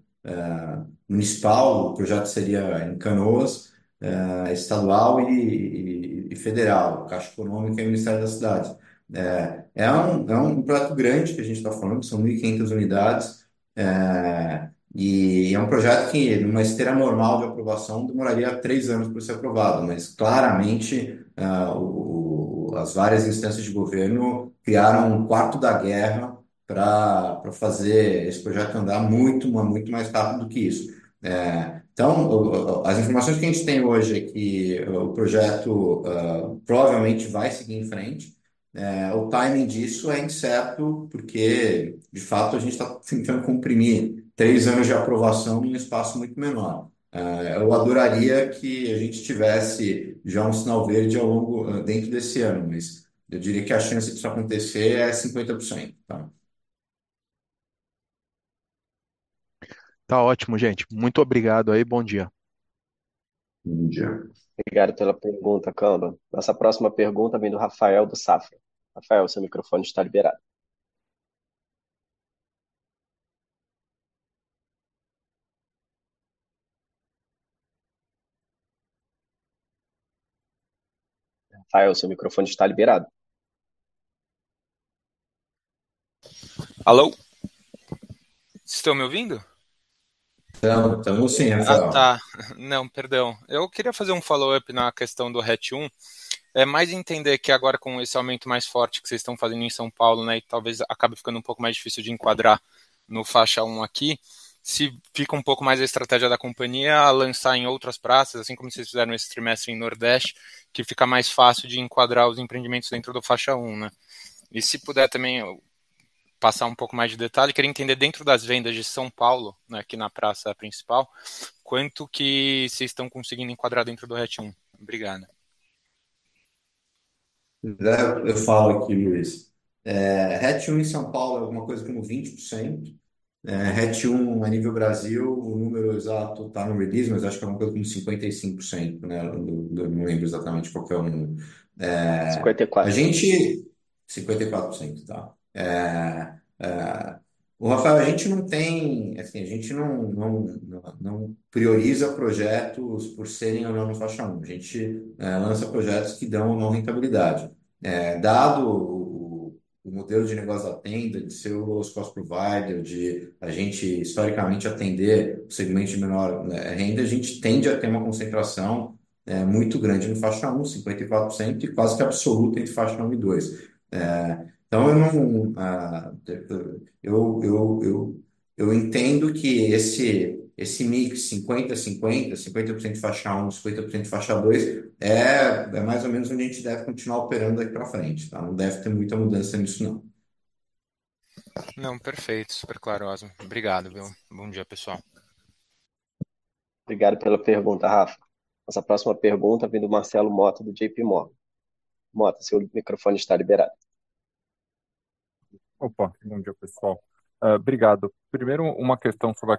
Municipal, o projeto seria em Canoas, estadual e federal, Caixa Econômica e Ministério das Cidades. É um projeto grande que a gente tá falando, que são 1,500 unidades, e é um projeto que numa esteira normal de aprovação demoraria 3 anos pra ser aprovado, mas claramente, as várias instâncias de governo criaram um quarto de guerra pra fazer esse projeto andar muito mais rápido do que isso. As informações que a gente tem hoje é que o projeto provavelmente vai seguir em frente. O timing disso é incerto, porque, de fato, a gente tá tentando comprimir 3 anos de aprovação num espaço muito menor. Eu adoraria que a gente tivesse já um sinal verde ao longo, dentro desse ano, mas eu diria que a chance de isso acontecer é 50%, tá? Tá ótimo, gente. Muito obrigado aí, bom dia. Bom dia. Obrigado pela pergunta, Gustavo Cambauva. Nossa próxima pergunta vem do Rafael do Safra. Rafael, seu microfone está liberado. Rafael, seu microfone está liberado. Alô? Estão me ouvindo? Tamo sim, Rafael. Tá. Não, perdão. Eu queria fazer um follow-up na questão do RET 1. É mais entender que agora com esse aumento mais forte que vocês estão fazendo em São Paulo, né, e talvez acabe ficando um pouco mais difícil de enquadrar na faixa 1 aqui, se fica um pouco mais a estratégia da companhia lançar em outras praças, assim como vocês fizeram esse trimestre em Nordeste, que fica mais fácil de enquadrar os empreendimentos dentro da faixa 1, né? E se puder também passar um pouco mais de detalhe, queria entender dentro das vendas de São Paulo, né, aqui na praça principal, quanto que vocês estão conseguindo enquadrar dentro do RET 1. Obrigado. Eu falo aqui, Luiz. REF 1 em São Paulo é alguma coisa como 20%. REF 1 a nível Brasil, o número exato tá no release, mas acho que é uma coisa como 55%, né? Eu não lembro exatamente qual que é o número. 54. A gente 54%, tá? O Rafael, a gente não tem, assim, a gente não prioriza projetos por serem ou não faixa 1. A gente lança projetos que dão uma rentabilidade. Dado o modelo de negócio da Tenda, de ser low-cost provider, de a gente historicamente atender o segmento de menor renda, a gente tende a ter uma concentração muito grande no faixa 1, 54%, e quase que absoluta entre faixa 1 e 2. Então eu entendo que esse mix 50% faixa 1, 50% faixa 2, é mais ou menos onde a gente deve continuar operando daí pra frente, tá? Não deve ter muita mudança nisso, não. Não, perfeito. Super claro, Osmo. Obrigado, viu? Bom dia, pessoal. Obrigado pela pergunta, Rafa. Nossa próxima pergunta vem do Marcelo Motta, do JP Morgan. Mota, seu microfone está liberado. Opa, bom dia, pessoal. Obrigado. Primeiro, uma questão sobre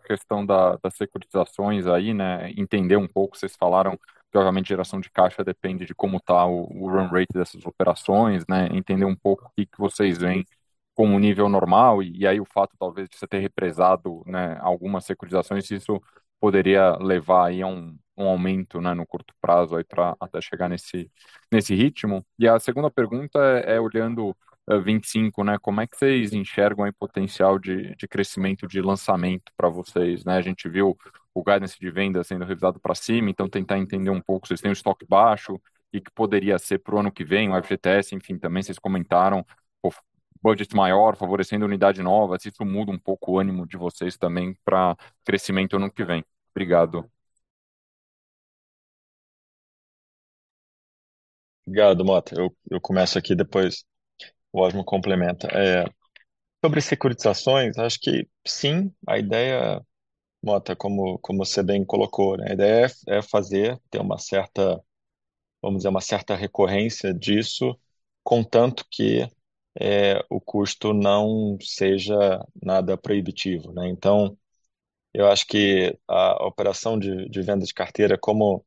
as securitizações aí, né? Entender um pouco, cês falaram que obviamente geração de caixa depende de como tá o run rate dessas operações, né? Entender um pouco o que que vocês veem como nível normal, e aí o fato talvez de cê ter represado, né, algumas securitizações, se isso poderia levar aí a um aumento, né, no curto prazo aí pra até chegar nesse ritmo. A segunda pergunta é olhando 25, né? Como é que cês enxergam aí potencial de crescimento de lançamento pra vocês, né? A gente viu o guidance de vendas sendo revisado pra cima, então tentar entender um pouco, cês têm o estoque baixo, o que que poderia ser pro ano que vem, o FGTS, enfim, também cês comentaram, o budget maior favorecendo unidade nova, se isso muda um pouco o ânimo de vocês também pra crescimento ano que vem. Obrigado. Obrigado, Mota. Eu começo aqui, depois o Osmar complementa. Sobre securitizações, acho que sim, a ideia, Mota, como cê bem colocou, né, a ideia é fazer, ter uma certa, vamos dizer, uma certa recorrência disso, contanto que o custo não seja nada proibitivo, né? Então, eu acho que a operação de venda de carteira, como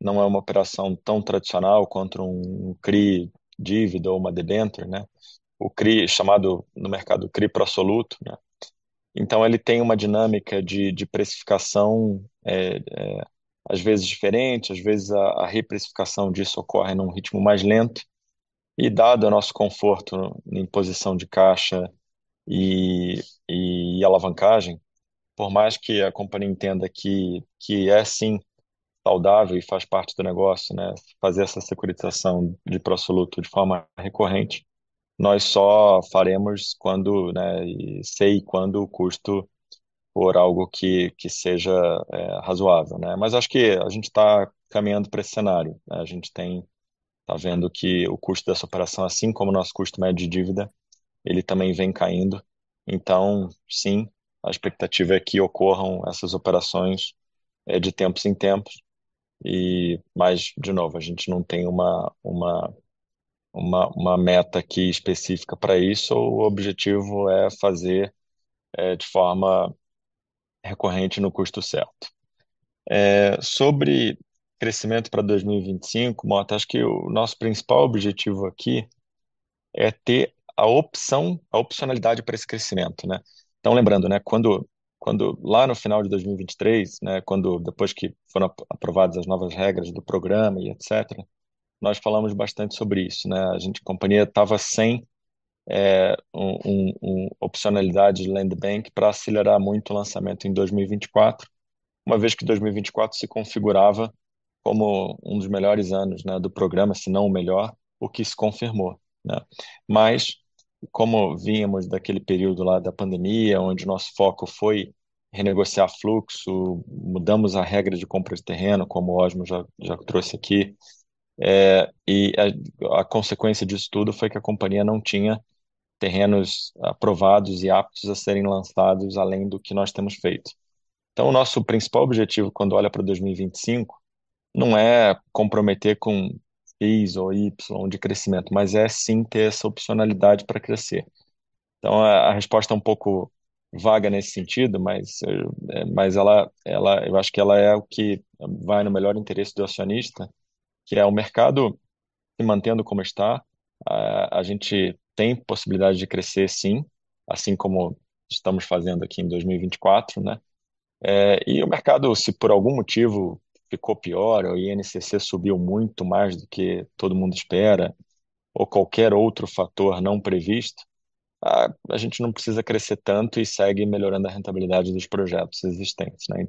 não é uma operação tão tradicional quanto um CRI dívida ou uma debenture, né? O CRI, chamado no mercado CRI pro soluto, né? Ele tem uma dinâmica de precificação, às vezes diferente, às vezes a reprecificação disso ocorre num ritmo mais lento. Dado o nosso conforto em posição de caixa e alavancagem, por mais que a companhia entenda que é sim saudável e faz parte do negócio, né, fazer essa securitização de pró soluto de forma recorrente. Nós só faremos quando, né, e só quando o custo for algo que seja razoável, né? Acho que a gente tá caminhando pra esse cenário, né. A gente tá vendo que o custo dessa operação, assim como nosso custo médio de dívida, ele também vem caindo. Sim, a expectativa é que ocorram essas operações de tempos em tempos, mas, de novo, a gente não tem uma meta aqui específica pra isso, o objetivo é fazer de forma recorrente no custo certo. Sobre crescimento pra 2025, Mota, acho que o nosso principal objetivo aqui é ter a opção, a opcionalidade pra esse crescimento, né. Lembrando, quando lá no final de 2023, depois que foram aprovadas as novas regras do programa e etc, nós falamos bastante sobre isso, né. A companhia tava sem opcionalidade de land bank pra acelerar muito o lançamento em 2024, uma vez que 2024 se configurava como um dos melhores anos do programa, senão o melhor, o que se confirmou, né. Como vínhamos daquele período lá da pandemia, onde nosso foco foi renegociar fluxo, mudamos a regra de compra de terreno, como o Osmo já trouxe aqui. A consequência disso tudo foi que a companhia não tinha terrenos aprovados e aptos a serem lançados além do que nós temos feito. Então o nosso principal objetivo quando olha pra 2025, não é comprometer com X ou Y de crescimento, mas é sim ter essa opcionalidade pra crescer. Então a resposta é um pouco vaga nesse sentido, mas ela, eu acho que ela é o que vai no melhor interesse do acionista, que é o mercado se mantendo como está, a gente tem possibilidade de crescer sim, assim como estamos fazendo aqui em 2024, né. O mercado, se por algum motivo ficou pior ou o INCC subiu muito mais do que todo mundo espera, ou qualquer outro fator não previsto, a gente não precisa crescer tanto e segue melhorando a rentabilidade dos projetos existentes, né.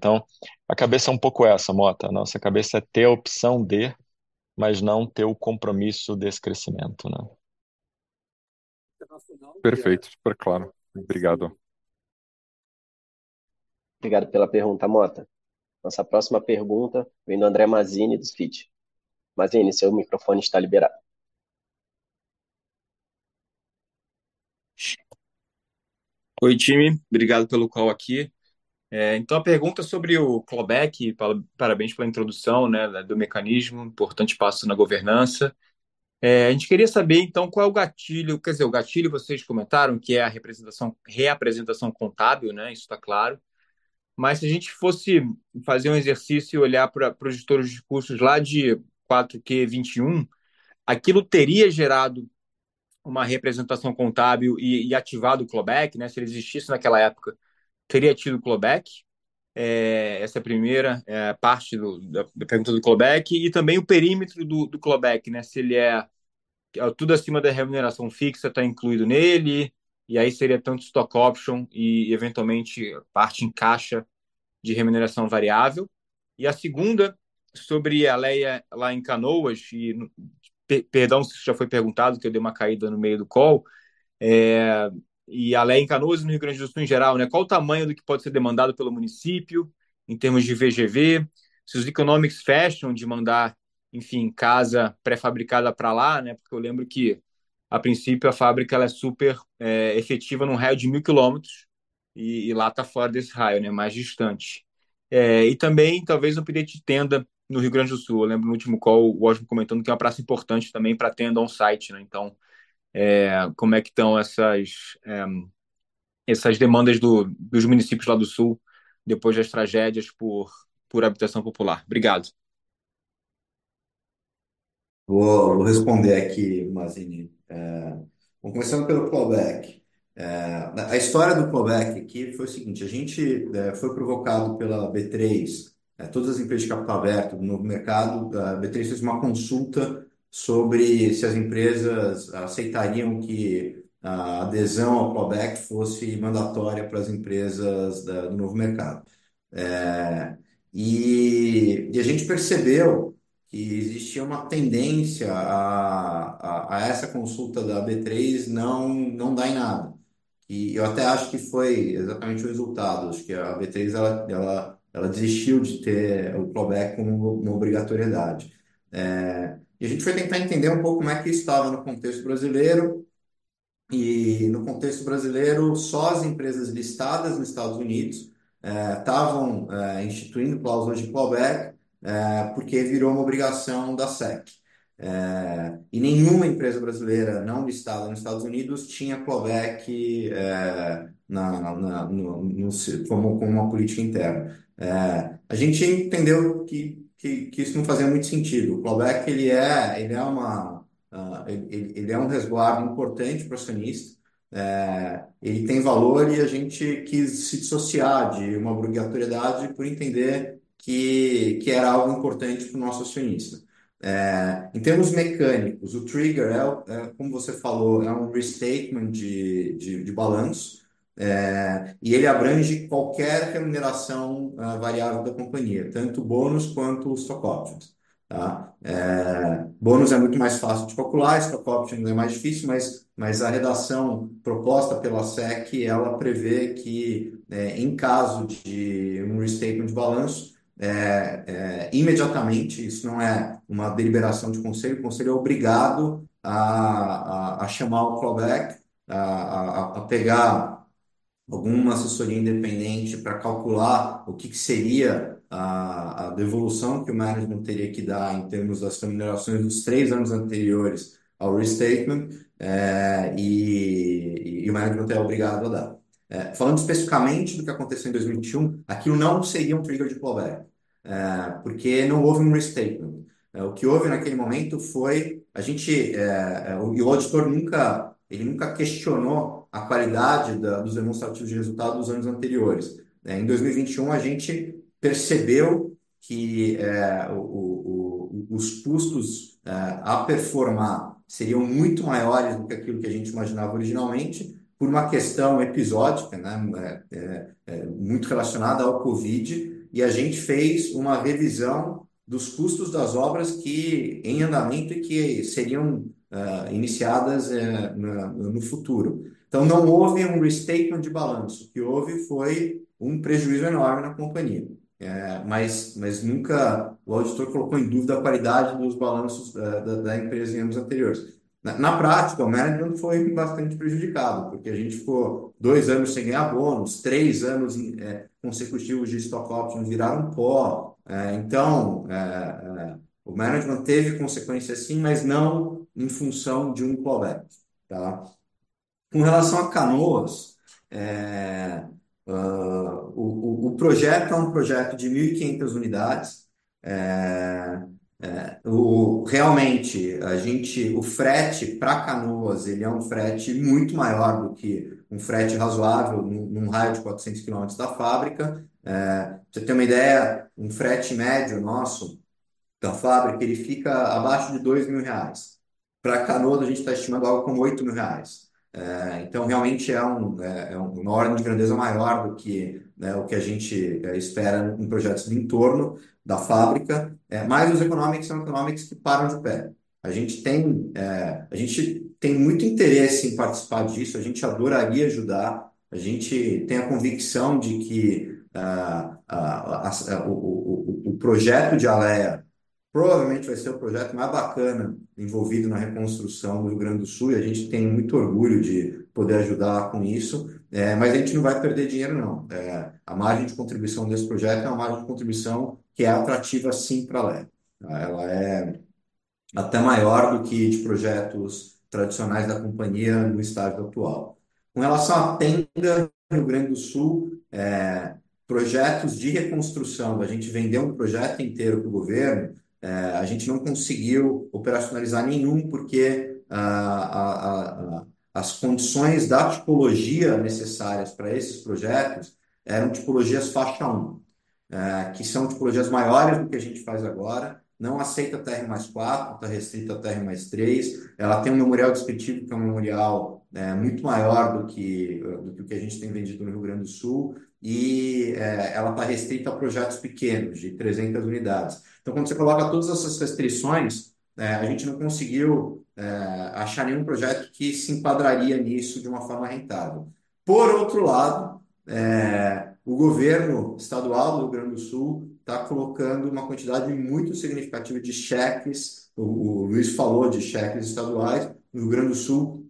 A cabeça é um pouco essa, Mota. Nossa cabeça é ter a opção de, mas não ter o compromisso desse crescimento, né. Perfeito, super claro. Obrigado. Obrigado pela pergunta, Mota. Nossa próxima pergunta vem do André Mazini, do FIT. Mazini, seu microfone está liberado. Oi, time. Obrigado pelo call aqui. Então a pergunta é sobre o clawback. Parabéns pela introdução, né, do mecanismo, importante passo na governança. A gente queria saber então qual é o gatilho, quer dizer, o gatilho vocês comentaram que é a reapresentação contábil, né, isso tá claro. Mas se a gente fosse fazer um exercício e olhar pra pros gestores de custos lá de 4T21, aquilo teria gerado uma representação contábil e ativado o clawback, né? Se ele existisse naquela época, teria tido clawback? Essa é a primeira parte da pergunta do clawback. E também o perímetro do clawback, né, se ele é tudo acima da remuneração fixa tá incluído nele, e aí seria tanto stock option e eventualmente parte em caixa de remuneração variável. A segunda, sobre a Alea lá em Canoas, perdão se isso já foi perguntado, que eu dei uma caída no meio do call. A Alea em Canoas e no Rio Grande do Sul em geral, né, qual o tamanho do que pode ser demandado pelo município em termos de VGV? Se os economics fecham de mandar, enfim, casa pré-fabricada pra lá, né? Porque eu lembro que, a princípio, a fábrica ela é superefetiva num raio de 1,000 km, e lá tá fora desse raio, né, mais distante. Também talvez um pedido de Tenda no Rio Grande do Sul. Eu lembro no último call o Osmar comentando que é uma praça importante também pra Tenda on site, né, então, como é que tão essas demandas dos municípios lá do Sul depois das tragédias por habitação popular? Obrigado. Vou responder aqui, Mazzini. Vamos começando pelo clawback. A história do clawback aqui foi o seguinte: a gente foi provocado pela B3, todas as empresas de capital aberto do Novo Mercado, a B3 fez uma consulta sobre se as empresas aceitariam que a adesão ao clawback fosse mandatória pras empresas da, do Novo Mercado. E a gente percebeu que existia uma tendência a essa consulta da B3 não dar em nada. E eu até acho que foi exatamente o resultado, acho que a B3 ela desistiu de ter o clawback como uma obrigatoriedade. E a gente foi tentar entender um pouco como é que isso tava no contexto brasileiro. E no contexto brasileiro, só as empresas listadas nos Estados Unidos tavam instituindo cláusulas de clawback, porque virou uma obrigação da SEC. Nenhuma empresa brasileira não listada nos Estados Unidos tinha clawback, não no sentido como uma política interna. A gente entendeu que isso não fazia muito sentido. O clawback ele é um resguardo importante pro acionista, ele tem valor e a gente quis se dissociar de uma obrigatoriedade por entender que era algo importante pro nosso acionista. Em termos mecânicos, o trigger é como você falou, um restatement de balanços. Ele abrange qualquer remuneração variável da companhia, tanto bônus quanto stock options. Bônus é muito mais fácil de calcular, stock options é mais difícil, mas a redação proposta pela SEC prevê que em caso de um restatement de balanço imediatamente isso não é uma deliberação de conselho, o conselho é obrigado a chamar o clawback, a pegar alguma assessoria independente pra calcular o que que seria a devolução que o management teria que dar em termos das remunerações dos três anos anteriores ao restatement, e o management é obrigado a dar. Falando especificamente do que aconteceu em 2021, aquilo não seria um trigger de clawback, porque não houve um restatement. O que houve naquele momento foi o auditor nunca, ele nunca questionou a qualidade dos demonstrativos de resultado dos anos anteriores. Em 2021, a gente percebeu que os custos e o impairment seriam muito maiores do que aquilo que a gente imaginava originalmente, por uma questão episódica, muito relacionada ao COVID, e a gente fez uma revisão dos custos das obras que em andamento e que seriam iniciadas no futuro. Não houve um restatement de balanço. O que houve foi um prejuízo enorme na companhia. Mas nunca o auditor colocou em dúvida a qualidade dos balanços da empresa em anos anteriores. Na prática, o management foi bastante prejudicado, porque a gente ficou dois anos sem ganhar bônus, três anos consecutivos de stock option viraram pó. O management teve consequências, sim, mas não em função de um clawback, tá? Com relação a Canoas, o projeto é um projeto de 1,500 unidades. Realmente, o frete pra Canoas, ele é um frete muito maior do que um frete razoável num raio de 400 quilômetros da fábrica. Pra você ter uma ideia, um frete médio nosso, da fábrica, ele fica abaixo de 2,000 reais. Pra Canoas, a gente tá estimando algo como 8,000 reais. Então realmente é uma ordem de grandeza maior do que, né, o que a gente espera em projetos do entorno da fábrica. Os economics são economics que param de pé. A gente tem muito interesse em participar disso, a gente adoraria ajudar. A gente tem a convicção de que o projeto de Alea provavelmente vai ser o projeto mais bacana envolvido na reconstrução do Rio Grande do Sul e a gente tem muito orgulho de poder ajudar com isso. Mas a gente não vai perder dinheiro, não. A margem de contribuição desse projeto é uma margem de contribuição que é atrativa, sim, pra Ale. Ela é até maior do que de projetos tradicionais da companhia no estágio atual. Com relação à Tenda no Rio Grande do Sul, projetos de reconstrução, da gente vender um projeto inteiro pro governo, a gente não conseguiu operacionalizar nenhum, porque as condições da tipologia necessárias pra esses projetos eram tipologias faixa 1, que são tipologias maiores do que a gente faz agora, não aceita TR+4, tá restrita ao TR+3. Ela tem um memorial descritivo, que é um memorial, muito maior do que a gente tem vendido no Rio Grande do Sul, ela tá restrita a projetos pequenos, de 300 unidades. Quando cê coloca todas essas restrições, né, a gente não conseguiu achar nenhum projeto que se enquadraria nisso de uma forma rentável. Por outro lado, o governo estadual do Rio Grande do Sul tá colocando uma quantidade muito significativa de cheques. O Luiz falou de cheques estaduais. O Rio Grande do Sul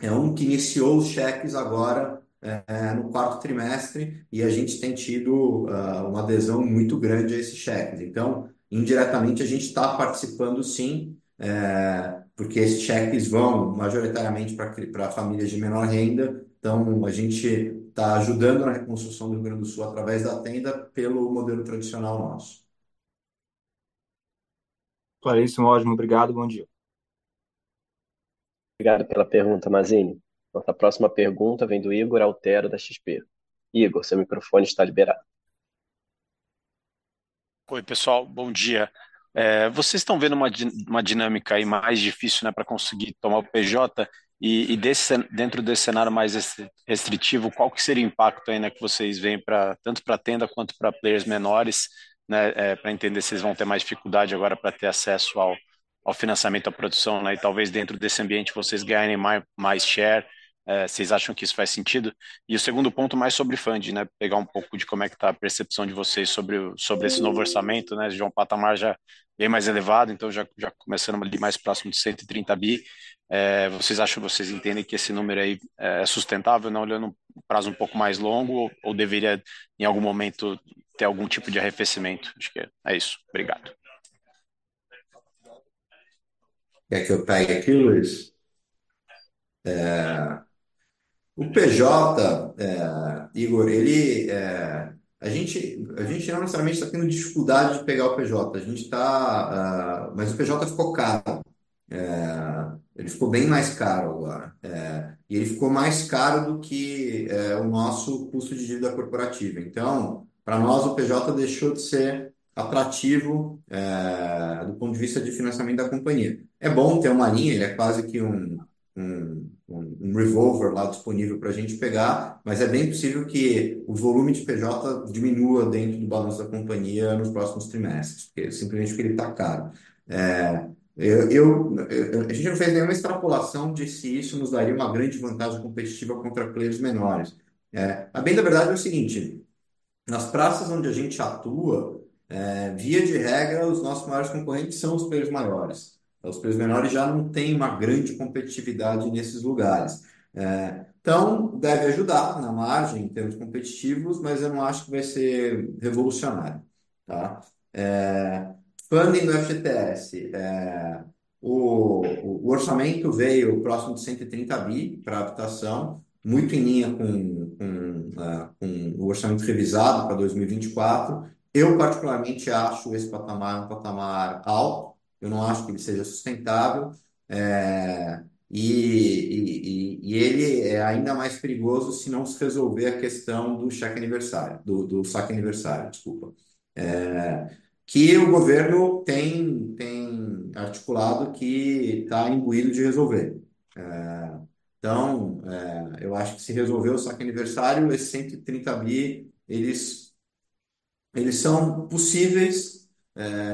é um que iniciou os cheques agora, no quarto trimestre, e a gente tem tido uma adesão muito grande a esses cheques. Indiretamente, a gente tá participando, sim, porque esses cheques vão majoritariamente pra famílias de menor renda. A gente tá ajudando na reconstrução do Rio Grande do Sul através da Tenda pelo modelo tradicional nosso. Claríssimo, ótimo. Obrigado, bom dia. Obrigado pela pergunta, Mazini. Nossa próxima pergunta vem do Ygor Altero, da XP. Ygor, seu microfone está liberado. Oi, pessoal, bom dia. Vocês tão vendo uma dinâmica aí mais difícil, né, pra conseguir tomar o PJ? E desse cenário mais restritivo, qual que seria o impacto aí, né, que vocês veem pra, tanto pra Tenda quanto pra players menores, né? Pra entender se eles vão ter mais dificuldade agora pra ter acesso ao financiamento da produção, né, e talvez dentro desse ambiente vocês ganhem mais share. Cês acham que isso faz sentido? O segundo ponto mais sobre funding, né? Pegar um pouco de como é que tá a percepção de vocês sobre esse novo orçamento, né? De ir pra um patamar já bem mais elevado, já começando ali mais próximo de 130 billion. É, vocês acham, vocês entendem que esse número aí é sustentável, né, olhando prazo um pouco mais longo ou deveria em algum momento ter algum tipo de arrefecimento? Acho que é isso. Obrigado. Quer que eu pegue aqui, Luiz? O PJ, Igor, ele, a gente não necessariamente tá tendo dificuldade de pegar o PJ. A gente tá, mas o PJ ficou caro. Ele ficou bem mais caro agora. E ele ficou mais caro do que o nosso custo de dívida corporativa. Então, pra nós, o PJ deixou de ser atrativo do ponto de vista de financiamento da companhia. É bom ter uma linha, ele é quase que um revolver lá disponível pra gente pegar, mas é bem possível que o volume de PJ diminua dentro do balanço da companhia nos próximos trimestres, porque simplesmente ele tá caro. A gente não fez nenhuma extrapolação de se isso nos daria uma grande vantagem competitiva contra players menores. A bem da verdade é o seguinte: nas praças onde a gente atua, via de regra, os nossos maiores concorrentes são os players maiores. Os players menores já não têm uma grande competitividade nesses lugares. Então deve ajudar na margem em termos competitivos, mas eu não acho que vai ser revolucionário, tá? Funding do FGTS, o orçamento veio próximo de 130 billion pra habitação, muito em linha com o orçamento revisado pra 2024. Eu, particularmente, acho esse patamar um patamar alto, eu não acho que ele seja sustentável, e ele é ainda mais perigoso se não se resolver a questão do Saque-Aniversário, desculpa. Que o governo tem articulado que tá imbuído de resolver. Eu acho que se resolver o Saque-Aniversário, esse 130 bi, eles são possíveis,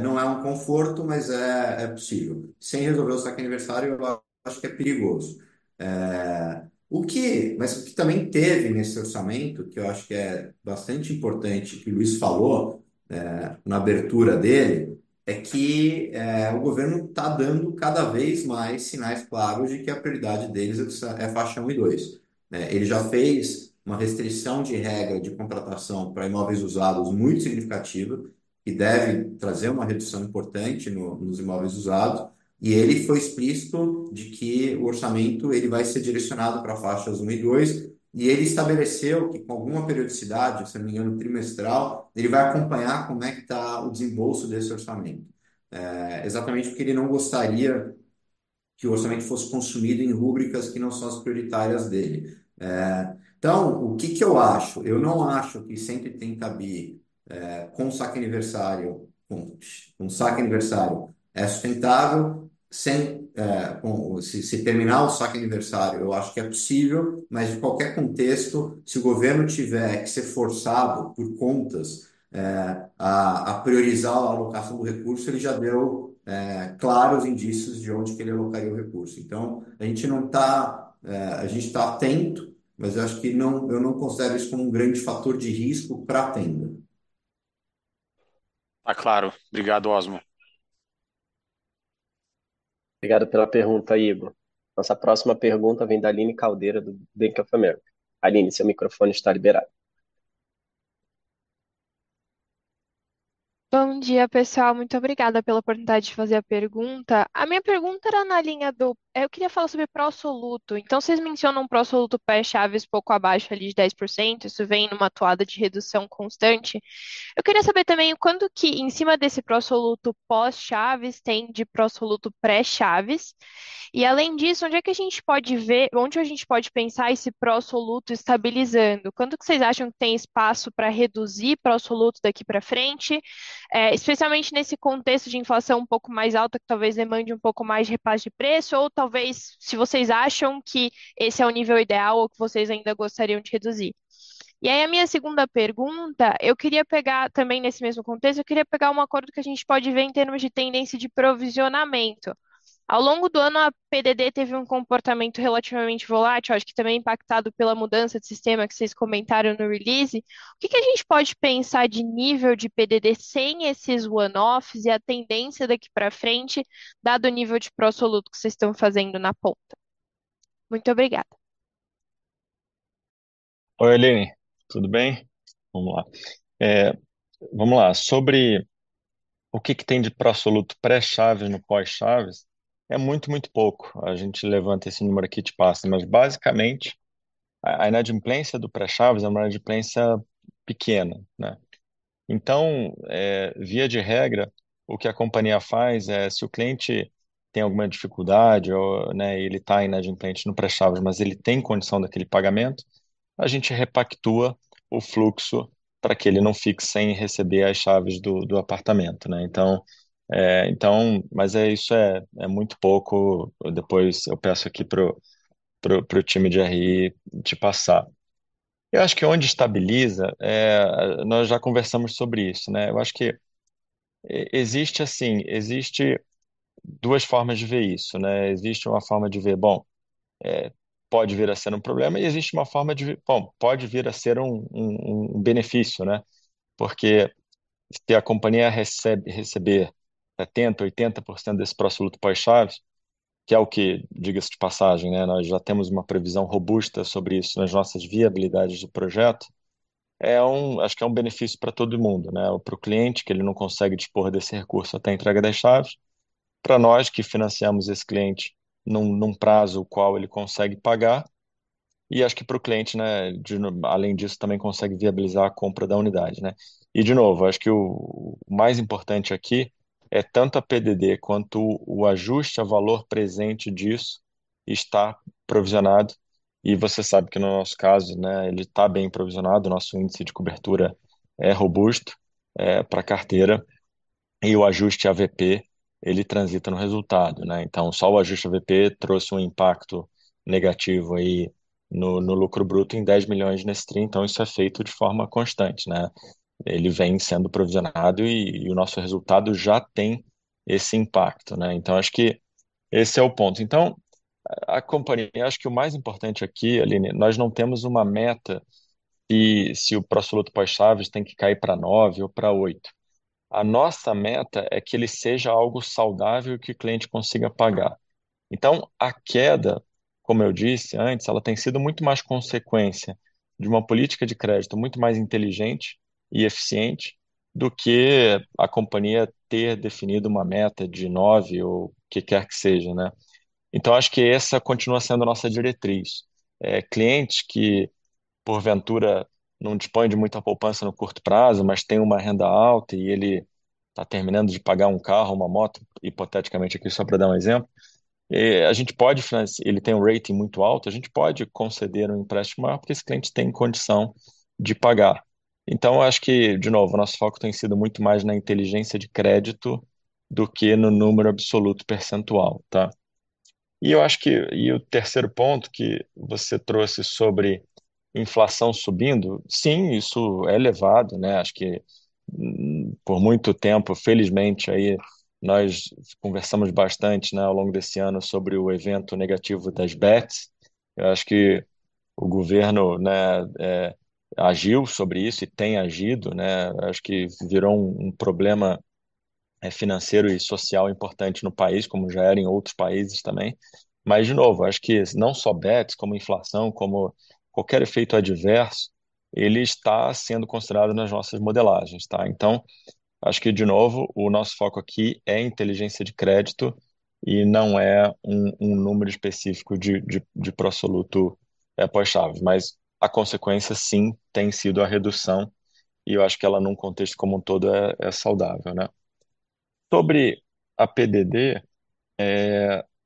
não é um conforto, mas é possível. Sem resolver o Saque-Aniversário, eu acho que é perigoso. Mas o que também teve nesse orçamento, que eu acho que é bastante importante, que o Luiz falou, na abertura dele, é que o governo tá dando cada vez mais sinais claros de que a prioridade deles é faixa 1 e 2. Né, ele já fez uma restrição de regra de contratação pra imóveis usados muito significativa, que deve trazer uma redução importante nos imóveis usados, e ele foi explícito de que o orçamento ele vai ser direcionado pra faixas 1 e 2, e ele estabeleceu que com alguma periodicidade, se eu não me engano trimestral, ele vai acompanhar como é que tá o desembolso desse orçamento. Exatamente porque ele não gostaria que o orçamento fosse consumido em rubricas que não são as prioritárias dele. O que que eu acho? Eu não acho que 130 billion com Saque-Aniversário é sustentável. Se terminar o Saque-Aniversário, eu acho que é possível, mas em qualquer contexto, se o governo tiver que ser forçado por contas a priorizar a alocação do recurso, ele já deu claros indícios de onde que ele alocaria o recurso. Então a gente não tá, a gente tá atento, mas eu acho que não, eu não considero isso como um grande fator de risco pra Tenda. Tá claro. Obrigado, Osmo. Obrigado pela pergunta, Igor. Nossa próxima pergunta vem da Aline Caldeira, do Bank of America. Aline, seu microfone está liberado. Bom dia, pessoal. Muito obrigada pela oportunidade de fazer a pergunta. A minha pergunta era na linha do eu queria falar sobre pró-soluto. Então cês mencionam o pró-soluto pré-chaves pouco abaixo ali de 10%, isso vem numa toada de redução constante. Eu queria saber também o quanto que em cima desse pró-soluto pós-chaves tem de pró-soluto pré-chaves. E além disso, onde é que a gente pode ver, onde a gente pode pensar esse pró-soluto estabilizando? Quanto que cês acham que tem espaço pra reduzir pró-soluto daqui pra frente? Especialmente nesse contexto de inflação um pouco mais alta, que talvez demande um pouco mais de repasse de preço, ou talvez se vocês acham que esse é o nível ideal ou que vocês ainda gostariam de reduzir. Aí a minha segunda pergunta, eu queria pegar também nesse mesmo contexto, eu queria pegar um acordo que a gente pode ver em termos de tendência de provisionamento. Ao longo do ano, a PDD teve um comportamento relativamente volátil, acho que também impactado pela mudança de sistema que cês comentaram no release. O que que a gente pode pensar de nível de PDD sem esses one-offs e a tendência daqui pra frente, dado o nível de pró-soluto que cês tão fazendo na ponta? Muito obrigada. Oi, Aline. Tudo bem? Vamos lá. Sobre o que tem de pró-soluto pré-chaves no pós-chaves, é muito pouco. A gente levanta esse número aqui e te passa, mas basicamente, a inadimplência do pré-chaves é uma inadimplência pequena, né? Via de regra, o que a companhia faz é, se o cliente tem alguma dificuldade ou, né, ele tá inadimplente no pré-chaves, mas ele tem condição daquele pagamento, a gente repactua o fluxo pra que ele não fique sem receber as chaves do apartamento, né? Isso é muito pouco. Depois eu peço aqui pro time de RI te passar. Eu acho que onde estabiliza, nós já conversamos sobre isso, né? Eu acho que existe, assim, duas formas de ver isso, né? Existe uma forma de ver: bom, pode vir a ser um problema e existe uma forma de ver: bom, pode vir a ser um benefício, né? Porque se a companhia receber 70, 80% desse pró-soluto pós-chaves, que é o que, diga-se de passagem, né, nós já temos uma previsão robusta sobre isso nas nossas viabilidades do projeto, acho que é um benefício pra todo mundo, né? Pro cliente, que ele não consegue dispor desse recurso até a entrega das chaves, pra nós, que financiamos esse cliente num prazo o qual ele consegue pagar, e acho que pro cliente, né, além disso, também consegue viabilizar a compra da unidade, né? De novo, acho que o mais importante aqui é tanto a PDD quanto o ajuste ao valor presente disso estar provisionado. Você sabe que no nosso caso, né, ele tá bem provisionado, nosso índice de cobertura é robusto pra carteira. O ajuste AVP, ele transita no resultado, né. Só o ajuste AVP trouxe um impacto negativo aí no lucro bruto em 10 million nesse tri, isso é feito de forma constante, né. Ele vem sendo provisionado e o nosso resultado já tem esse impacto, né. Acho que esse é o ponto. A companhia, acho que o mais importante aqui, Aline, nós não temos uma meta e se o pró-soluto pós-chaves tem que cair pra 9 ou pra 8. A nossa meta é que ele seja algo saudável e que o cliente consiga pagar. A queda, como eu disse antes, ela tem sido muito mais consequência de uma política de crédito muito mais inteligente e eficiente do que a companhia ter definido uma meta de 9 ou o que quer que seja, né. Acho que essa continua sendo a nossa diretriz. Clientes que, porventura, não dispõe de muita poupança no curto prazo, mas tem uma renda alta e ele tá terminando de pagar um carro, uma moto, hipoteticamente aqui só pra dar exemplo, ele tem um rating muito alto, a gente pode conceder um empréstimo maior, porque esse cliente tem condição de pagar. Acho que, de novo, nosso foco tem sido muito mais na inteligência de crédito do que no número absoluto percentual, tá? Eu acho que o terceiro ponto que você trouxe sobre inflação subindo, sim, isso é elevado, né, acho que por muito tempo, felizmente, aí nós conversamos bastante, né, ao longo desse ano sobre o evento negativo das bets. Eu acho que o governo, né, agiu sobre isso e tem agido, né. Acho que virou um problema financeiro e social importante no país, como já era em outros países também. De novo, acho que não só bets, como inflação, como qualquer efeito adverso, ele está sendo considerado nas nossas modelagens, tá? Acho que, de novo, o nosso foco aqui é inteligência de crédito e não é um número específico de pró-soluto pós-chaves, mas a consequência, sim, tem sido a redução e eu acho que ela, num contexto como um todo, é saudável, né. Sobre a PDD,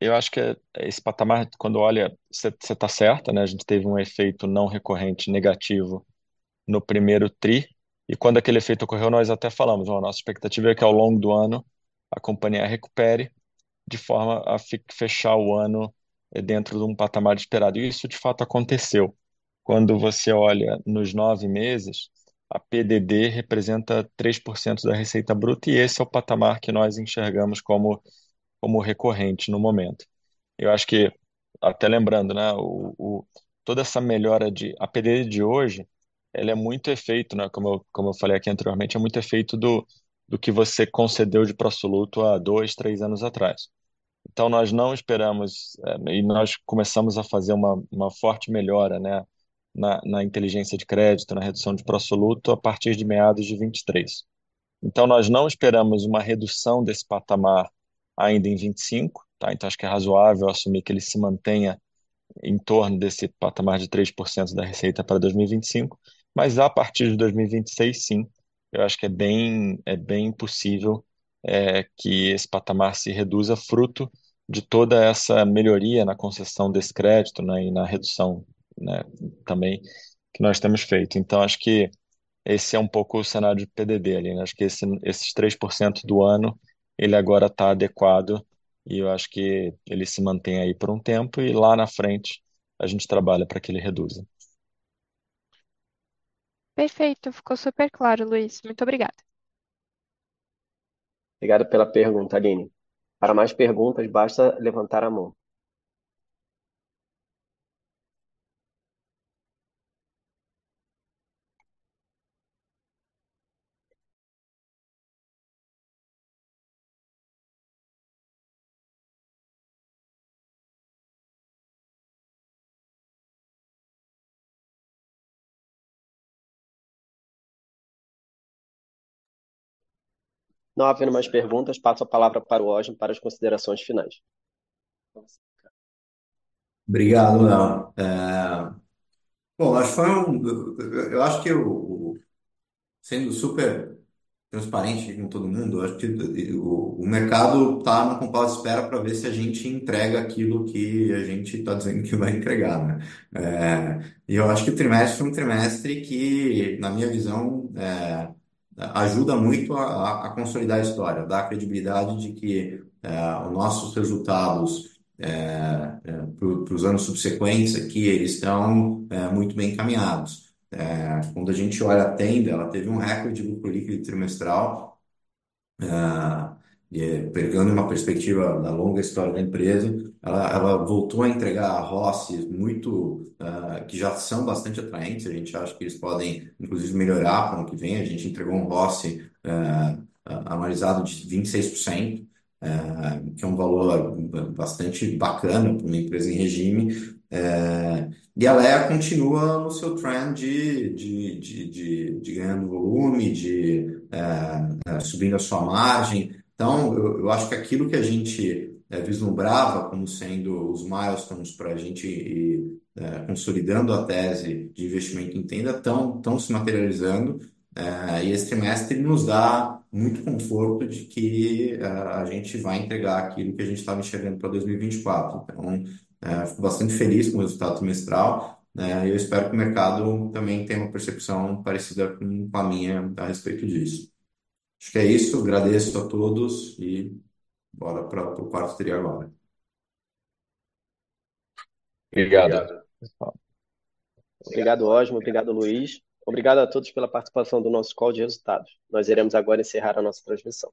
eu acho que é esse patamar, quando olha, cê tá certa, né, a gente teve um efeito não recorrente negativo no primeiro tri e quando aquele efeito ocorreu, nós até falamos: "Ó, nossa expectativa é que ao longo do ano a companhia recupere de forma a fechar o ano dentro dum patamar esperado". Isso de fato aconteceu. Quando você olha nos 9 meses, a PDD representa 3% da receita bruta e esse é o patamar que nós enxergamos como recorrente no momento. Eu acho que, até lembrando, né, toda essa melhora da PDD de hoje, ela é muito efeito, né, como eu falei aqui anteriormente, é muito efeito do que você concedeu de pro-soluto há 2, 3 anos atrás. Nós não esperamos e nós começamos a fazer uma forte melhora na inteligência de crédito, na redução de pro-soluto, a partir de meados de 2023. Nós não esperamos uma redução desse patamar ainda em 2025. Acho que é razoável assumir que ele se mantenha em torno desse patamar de 3% da receita para 2025, mas a partir de 2026, sim, eu acho que é bem possível que esse patamar se reduza fruto de toda essa melhoria na concessão desse crédito e na redução também que nós temos feito. Acho que esse é um pouco o cenário de PDD, Aline. Acho que esses 3% do ano, ele agora tá adequado e eu acho que ele se mantém aí por um tempo e lá na frente a gente trabalha para que ele reduza. Perfeito, ficou superclaro, Luiz. Muito obrigada. Obrigado pela pergunta, Aline. Para mais perguntas, basta levantar a mão. Não havendo mais perguntas, passo a palavra para o Osmar para as considerações finais. Obrigado, Léo. Sendo super transparente com todo mundo, acho que o mercado tá no compasso de espera pra ver se a gente entrega aquilo que a gente tá dizendo que vai entregar, né. Eu acho que o trimestre foi um trimestre que, na minha visão, ajuda muito a consolidar a história, dá credibilidade de que os nossos resultados pros anos subsequentes tão muito bem encaminhados. Quando a gente olha a Tenda, ela teve um recorde de lucro líquido trimestral, e pegando uma perspectiva da longa história da empresa, ela voltou a entregar ROIC muito que já são bastante atraentes, a gente acha que eles podem inclusive melhorar pro ano que vem. A gente entregou um ROC analisado de 26%, que é um valor bastante bacana pra uma empresa em regime. A Alea continua no seu trend de ganhando volume, subindo a sua margem. Eu acho que aquilo que a gente vislumbrava como sendo os milestones pra gente e consolidando a tese de investimento em Tenda, tão se materializando. Esse trimestre nos dá muito conforto de que a gente vai entregar aquilo que a gente tava enxergando pra 2024. Fico bastante feliz com o resultado trimestral, né, e eu espero que o mercado também tenha uma percepção parecida com a minha a respeito disso. Acho que é isso, agradeço a todos e bora pro quarto tri agora. Obrigado, pessoal. Obrigado, Osmo. Obrigado, Luiz. Obrigado a todos pela participação do nosso call de resultados. Nós iremos agora encerrar a nossa transmissão.